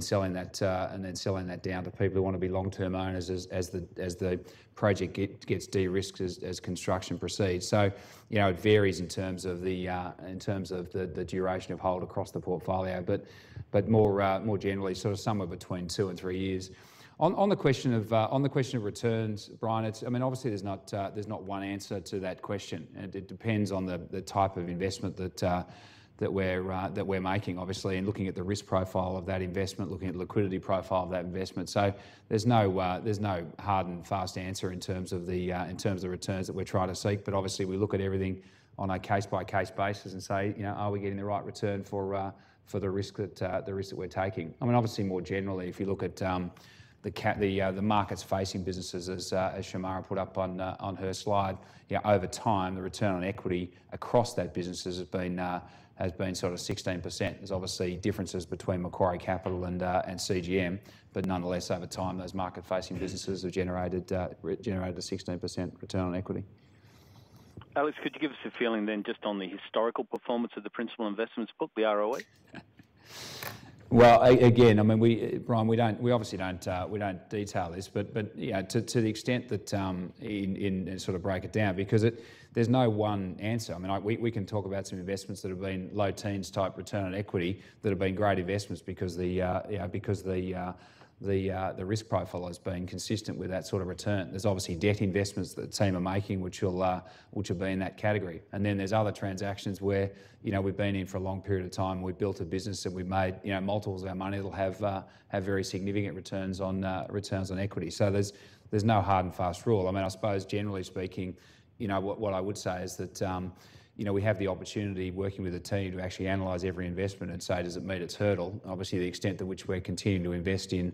selling that down to people who want to be long-term owners as the project gets de-risked as construction proceeds. It varies in terms of the duration of hold across the portfolio. More generally, somewhere between two and three years. On the question of returns, Brian, obviously there's not one answer to that question. It depends on the type of investment that we're making, obviously, and looking at the risk profile of that investment, looking at the liquidity profile of that investment. There's no hard and fast answer in terms of the returns that we're trying to seek. Obviously we look at everything on a case-by-case basis and say, are we getting the right return for the risk that we're taking? Obviously more generally, if you look at the markets facing businesses as Shemara put up on her slide, over time, the return on equity across those businesses has been 16%. There's obviously differences between Macquarie Capital and CGM. Nonetheless, over time, those market-facing businesses have generated a 16% return on equity. Alex, could you give us a feeling then just on the historical performance of the principal investments book, the ROE? Well, again, Brian, we obviously don't detail this, but to the extent that and sort of break it down because there's no one answer. We can talk about some investments that have been low teens type return on equity that have been great investments because the risk profile has been consistent with that sort of return. There's obviously debt investments that the team are making, which have been in that category. Then there's other transactions where we've been in for a long period of time. We've built a business, and we've made multiples of our money that'll have very significant returns on equity. There's no hard and fast rule. I suppose generally speaking, what I would say is that we have the opportunity, working with the team, to actually analyze every investment and say, does it meet its hurdle? The extent to which we're continuing to invest in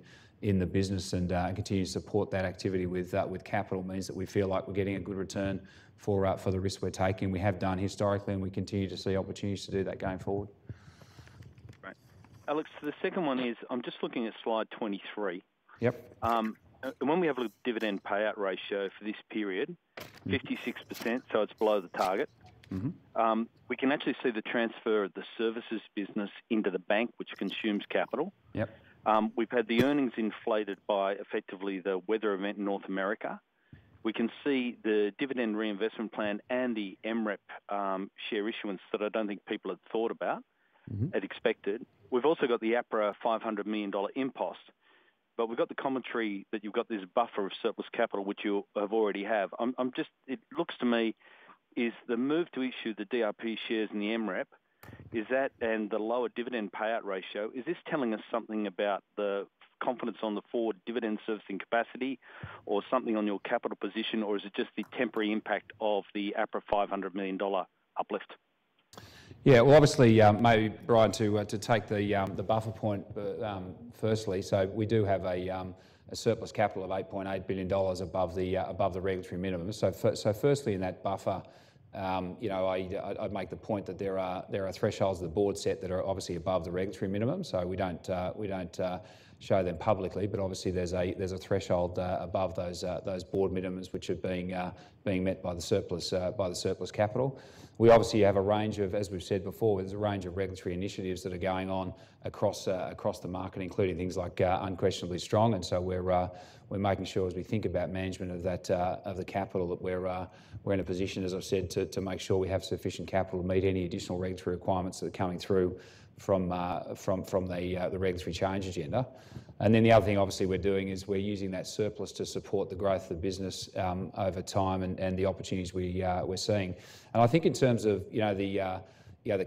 the business and continue to support that activity with capital means that we feel like we're getting a good return for the risk we're taking. We have done historically, and we continue to see opportunities to do that going forward. Great. Alex, the second one is, I'm just looking at slide 23. Yep. When we have a look at dividend payout ratio for this period, 56%, so it's below the target. We can actually see the transfer of the services business into the bank, which consumes capital. Yep. We've had the earnings inflated by effectively the weather event in North America. We can see the dividend reinvestment plan and the MEREP share issuance that I don't think people had thought about... ...had expected. We've also got the APRA 500 million dollar impost. We've got the commentary that you've got this buffer of surplus capital, which you already have. It looks to me, is the move to issue the DRP shares in the MEREP, is that and the lower dividend payout ratio, is this telling us something about the confidence on the forward dividend servicing capacity or something on your capital position, or is it just the temporary impact of the APRA 500 million dollar uplift? Yeah. Obviously, maybe Brian, to take the buffer point firstly. We do have a surplus capital of 8.8 billion dollars above the regulatory minimum. Firstly, in that buffer I'd make the point that there are thresholds the board set that are obviously above the regulatory minimum. We don't show them publicly. Obviously there's a threshold above those board minimums, which are being met by the surplus capital. We obviously have a range of, as we've said before, there's a range of regulatory initiatives that are going on across the market, including things like unquestionably strong. We're making sure as we think about management of the capital, that we're in a position, as I've said, to make sure we have sufficient capital to meet any additional regulatory requirements that are coming through from the regulatory change agenda. The other thing obviously we're doing is we're using that surplus to support the growth of the business over time and the opportunities we're seeing. I think in terms of the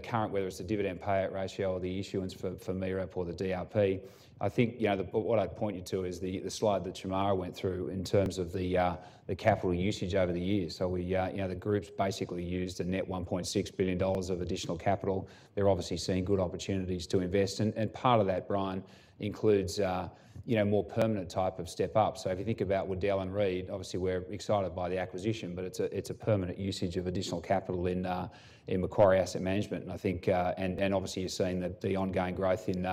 current, whether it's the dividend payout ratio or the issuance for MEREP or the DRP, I think what I'd point you to is the slide that Shemara Wikramanayake went through in terms of the capital usage over the years. The group's basically used a net 1.6 billion dollars of additional capital. They're obviously seeing good opportunities to invest. Part of that, Brian Johnson, includes a more permanent type of step up. If you think about Waddell & Reed, obviously we're excited by the acquisition, but it's a permanent usage of additional capital in Macquarie Asset Management. Obviously you're seeing that the ongoing growth in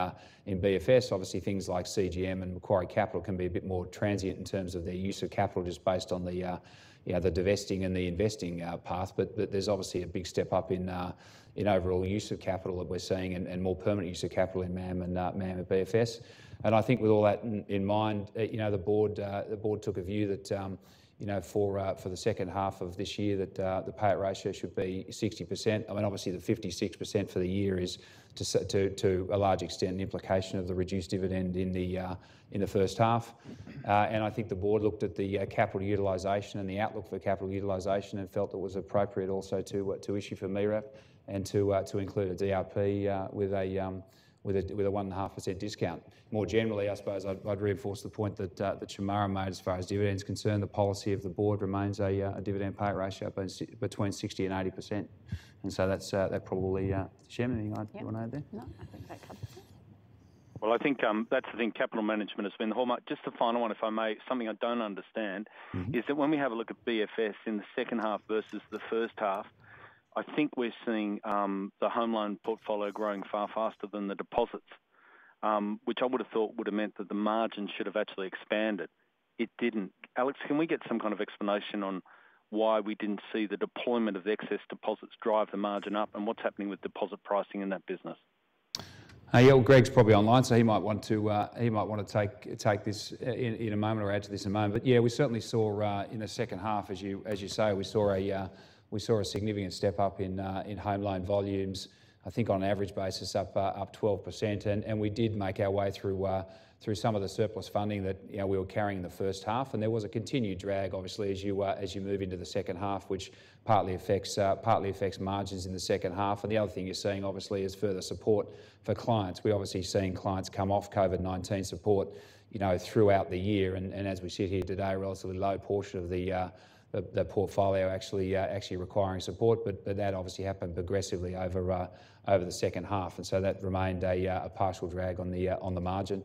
BFS, obviously things like CGM and Macquarie Capital can be a bit more transient in terms of their use of capital just based on the divesting and the investing path. There's obviously a big step up in overall use of capital that we're seeing and more permanent use of capital in MAM and BFS. I think with all that in mind, the board took a view that for the second half of this year, that the payout ratio should be 60%. Obviously the 56% for the year is to a large extent an implication of the reduced dividend in the first half. I think the board looked at the capital utilization and the outlook for capital utilization and felt it was appropriate also to issue for MEREP and to include a DRP with a 1.5% discount. More generally, I suppose I'd reinforce the point that Shemara made as far as dividends concerned. The policy of the board remains a dividend payout ratio between 60% and 80%. That probably, Shemara, anything you want to add there? No, I think that covers it. Well, I think capital management has been the whole market. Just a final one, if I may. Something I don't understand. is that when we have a look at BFS in the second half versus the first half, I think we're seeing the home loan portfolio growing far faster than the deposits, which I would've thought would've meant that the margin should have actually expanded. It didn't. Alex, can we get some kind of explanation on why we didn't see the deployment of excess deposits drive the margin up, and what's happening with deposit pricing in that business? Well, Greg's probably online, he might want to take this in a moment or add to this in a moment. We certainly saw in the second half, as you say, we saw a significant step up in home loan volumes. I think on an average basis, up 12%. We did make our way through some of the surplus funding that we were carrying in the first half. There was a continued drag, obviously, as you move into the second half, which partly affects margins in the second half. The other thing you're seeing, obviously, is further support for clients. We're obviously seeing clients come off COVID-19 support throughout the year. As we sit here today, a relatively low portion of the portfolio actually requiring support. That obviously happened aggressively over the second half, that remained a partial drag on the margin.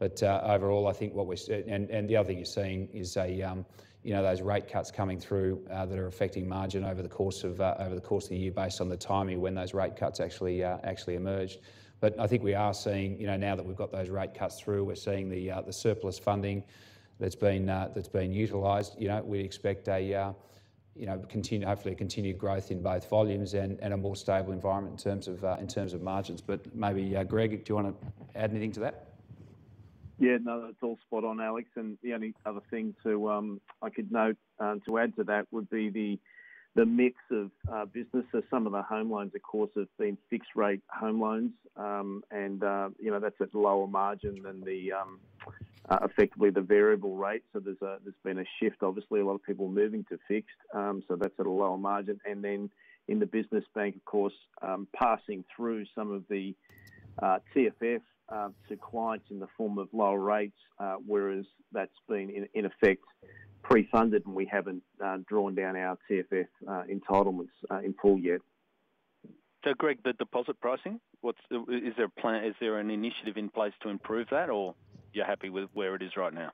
The other thing you're seeing is those rate cuts coming through that are affecting margin over the course of the year based on the timing when those rate cuts actually emerged. I think we are seeing, now that we've got those rate cuts through, we're seeing the surplus funding that's been utilized. We expect hopefully a continued growth in both volumes and a more stable environment in terms of margins. Maybe Greg, do you want to add anything to that? Yeah, no, that's all spot on, Alex. The only other thing I could note to add to that would be the mix of businesses. Some of the home loans, of course, have been fixed rate home loans. That's at lower margin than effectively the variable rate. There's been a shift. Obviously, a lot of people moving to fixed, so that's at a lower margin. Then in the business bank, of course, passing through some of the TFF to clients in the form of lower rates, whereas that's been in effect pre-funded and we haven't drawn down our TFF entitlements in full yet. Greg, the deposit pricing, is there a plan, is there an initiative in place to improve that, or you're happy with where it is right now?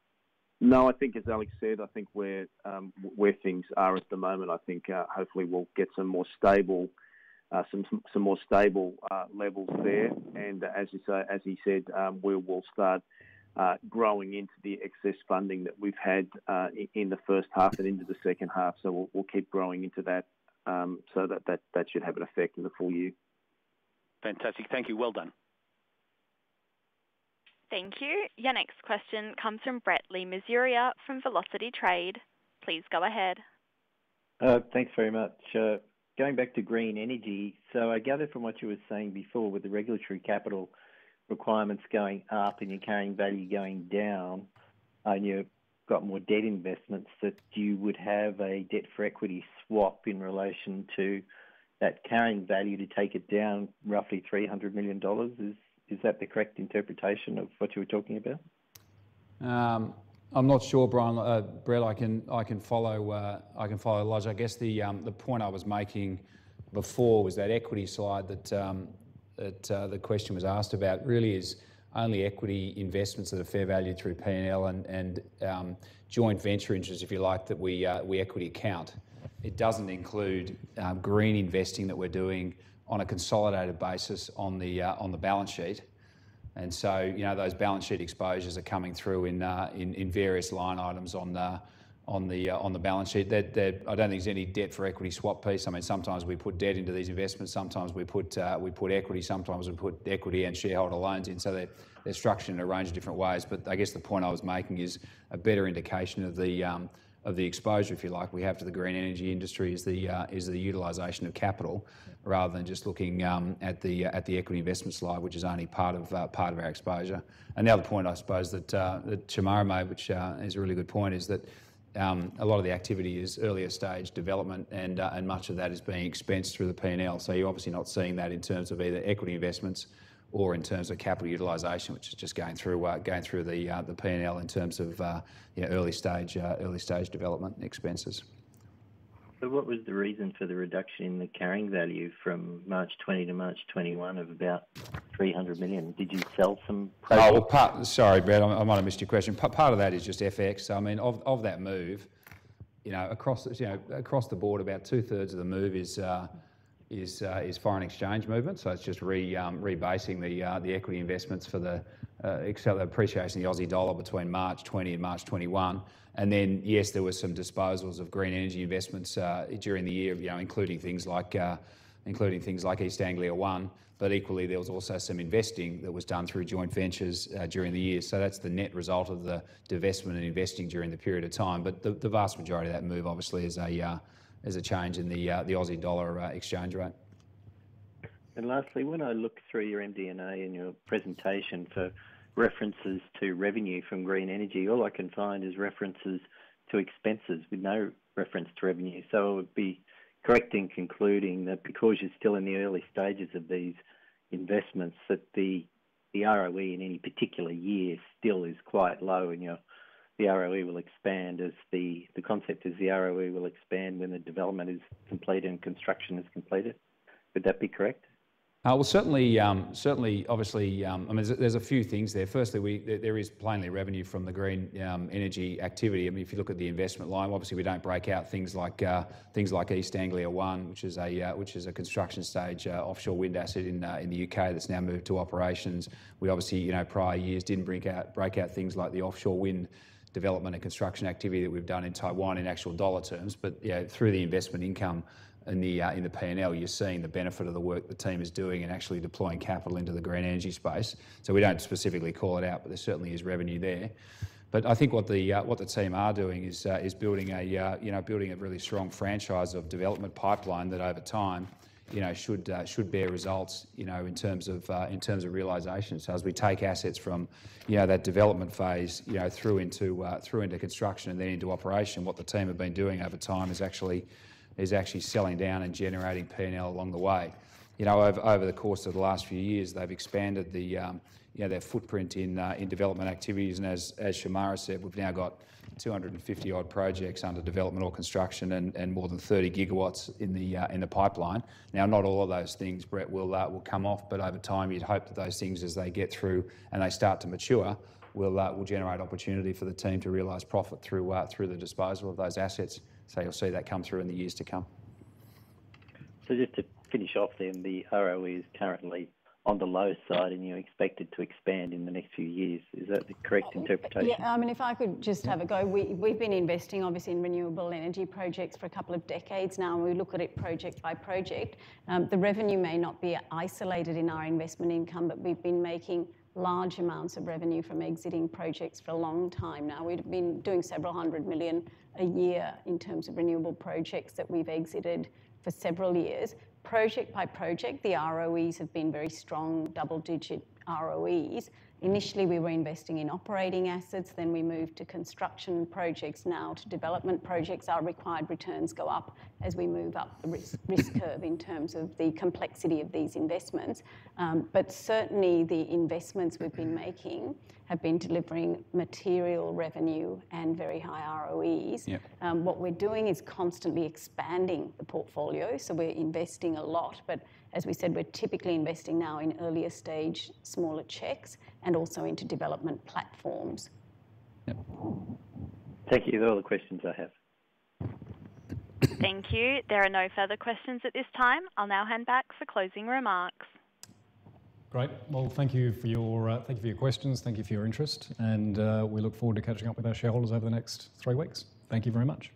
I think as Alex said, I think where things are at the moment, I think hopefully we'll get some more stable levels there. As he said, we will start growing into the excess funding that we've had in the first half and into the second half. We'll keep growing into that. That should have an effect in the full year. Fantastic. Thank you. Well done. Thank you. Your next question comes from Brett Le Mesurier from Velocity Trade. Please go ahead. Thanks very much. Going back to green energy. I gather from what you were saying before with the regulatory capital requirements going up and your carrying value going down, and you've got more debt investments, that you would have a debt for equity swap in relation to that carrying value to take it down roughly 300 million dollars. Is that the correct interpretation of what you were talking about? I'm not sure, Brett. I can follow [well. I guess the point I was making before was that equity slide that the question was asked about really is only equity investments at a fair value through P&L and joint venture interests, if you like, that we equity account. It doesn't include green investing that we're doing on a consolidated basis on the balance sheet. Those balance sheet exposures are coming through in various line items on the balance sheet. I don't think there's any debt for equity swap piece. I mean, sometimes we put debt into these investments, sometimes we put equity, sometimes we put equity and shareholder loans in. They're structured in a range of different ways. I guess the point I was making is a better indication of the exposure, if you like, we have to the green energy industry is the utilization of capital rather than just looking at the equity investment slide, which is only part of our exposure. The other point, I suppose, that Shemara made, which is a really good point, is that a lot of the activity is earlier stage development and much of that is being expensed through the P&L. You're obviously not seeing that in terms of either equity investments or in terms of capital utilization, which is just going through the P&L in terms of early stage development and expenses. What was the reason for the reduction in the carrying value from March 2020 to March 2021 of about 300 million? Did you sell some projects? Sorry, Brett, I might have missed your question. Part of that is just FX. Of that move, across the board, about two-thirds of the move is foreign exchange movement. It's just rebasing the equity investments for the appreciation of the Aussie dollar between March 2020 and March 2021. Then, yes, there was some disposals of green energy investments during the year, including things like East Anglia One. Equally, there was also some investing that was done through joint ventures during the year. That's the net result of the divestment and investing during the period of time. The vast majority of that move, obviously, is a change in the Aussie dollar exchange rate. Lastly, when I look through your MD&A and your presentation for references to revenue from green energy, all I can find is references to expenses with no reference to revenue. I would be correct in concluding that because you're still in the early stages of these investments, that the ROE in any particular year still is quite low and the concept is the ROE will expand when the development is complete and construction is completed. Would that be correct? Certainly, obviously, there's a few things there. Firstly, there is plainly revenue from the green energy activity. I mean, if you look at the investment line, obviously we don't break out things like East Anglia One, which is a construction stage offshore wind asset in the U.K. that's now moved to operations. We obviously, prior years, didn't break out things like the offshore wind development and construction activity that we've done in Taiwan in actual dollar terms. Through the investment income in the P&L, you're seeing the benefit of the work the team is doing in actually deploying capital into the green energy space. We don't specifically call it out, there certainly is revenue there. I think what the team are doing is building a really strong franchise of development pipeline that over time should bear results in terms of realization. As we take assets from that development phase through into construction and then into operation, what the team have been doing over time is actually selling down and generating P&L along the way. Over the course of the last few years, they've expanded their footprint in development activities, and as Shemara said, we've now got 250 odd projects under development or construction and more than 30 gigawatts in the pipeline. Not all of those things, Brett, will come off, but over time, you'd hope that those things, as they get through and they start to mature, will generate opportunity for the team to realize profit through the disposal of those assets. You'll see that come through in the years to come. Just to finish off then, the ROE is currently on the low side and you expect it to expand in the next few years. Is that the correct interpretation? I mean, if I could just have a go. We've been investing obviously in renewable energy projects for a couple of decades now. We look at it project by project. The revenue may not be isolated in our investment income. We've been making large amounts of revenue from exiting projects for a long time now. We've been doing several hundred million AUD a year in terms of renewable projects that we've exited for several years. Project by project, the ROEs have been very strong double-digit ROEs. Initially, we were investing in operating assets. We moved to construction projects, now to development projects. Our required returns go up as we move up the risk curve in terms of the complexity of these investments. Certainly, the investments we've been making have been delivering material revenue and very high ROEs. Yeah. What we're doing is constantly expanding the portfolio. We're investing a lot. As we said, we're typically investing now in earlier stage, smaller checks, and also into development platforms. Yeah. Thank you. They're all the questions I have. Thank you. There are no further questions at this time. I'll now hand back for closing remarks. Great. Well, thank you for your questions, thank you for your interest, and we look forward to catching up with our shareholders over the next three weeks. Thank you very much.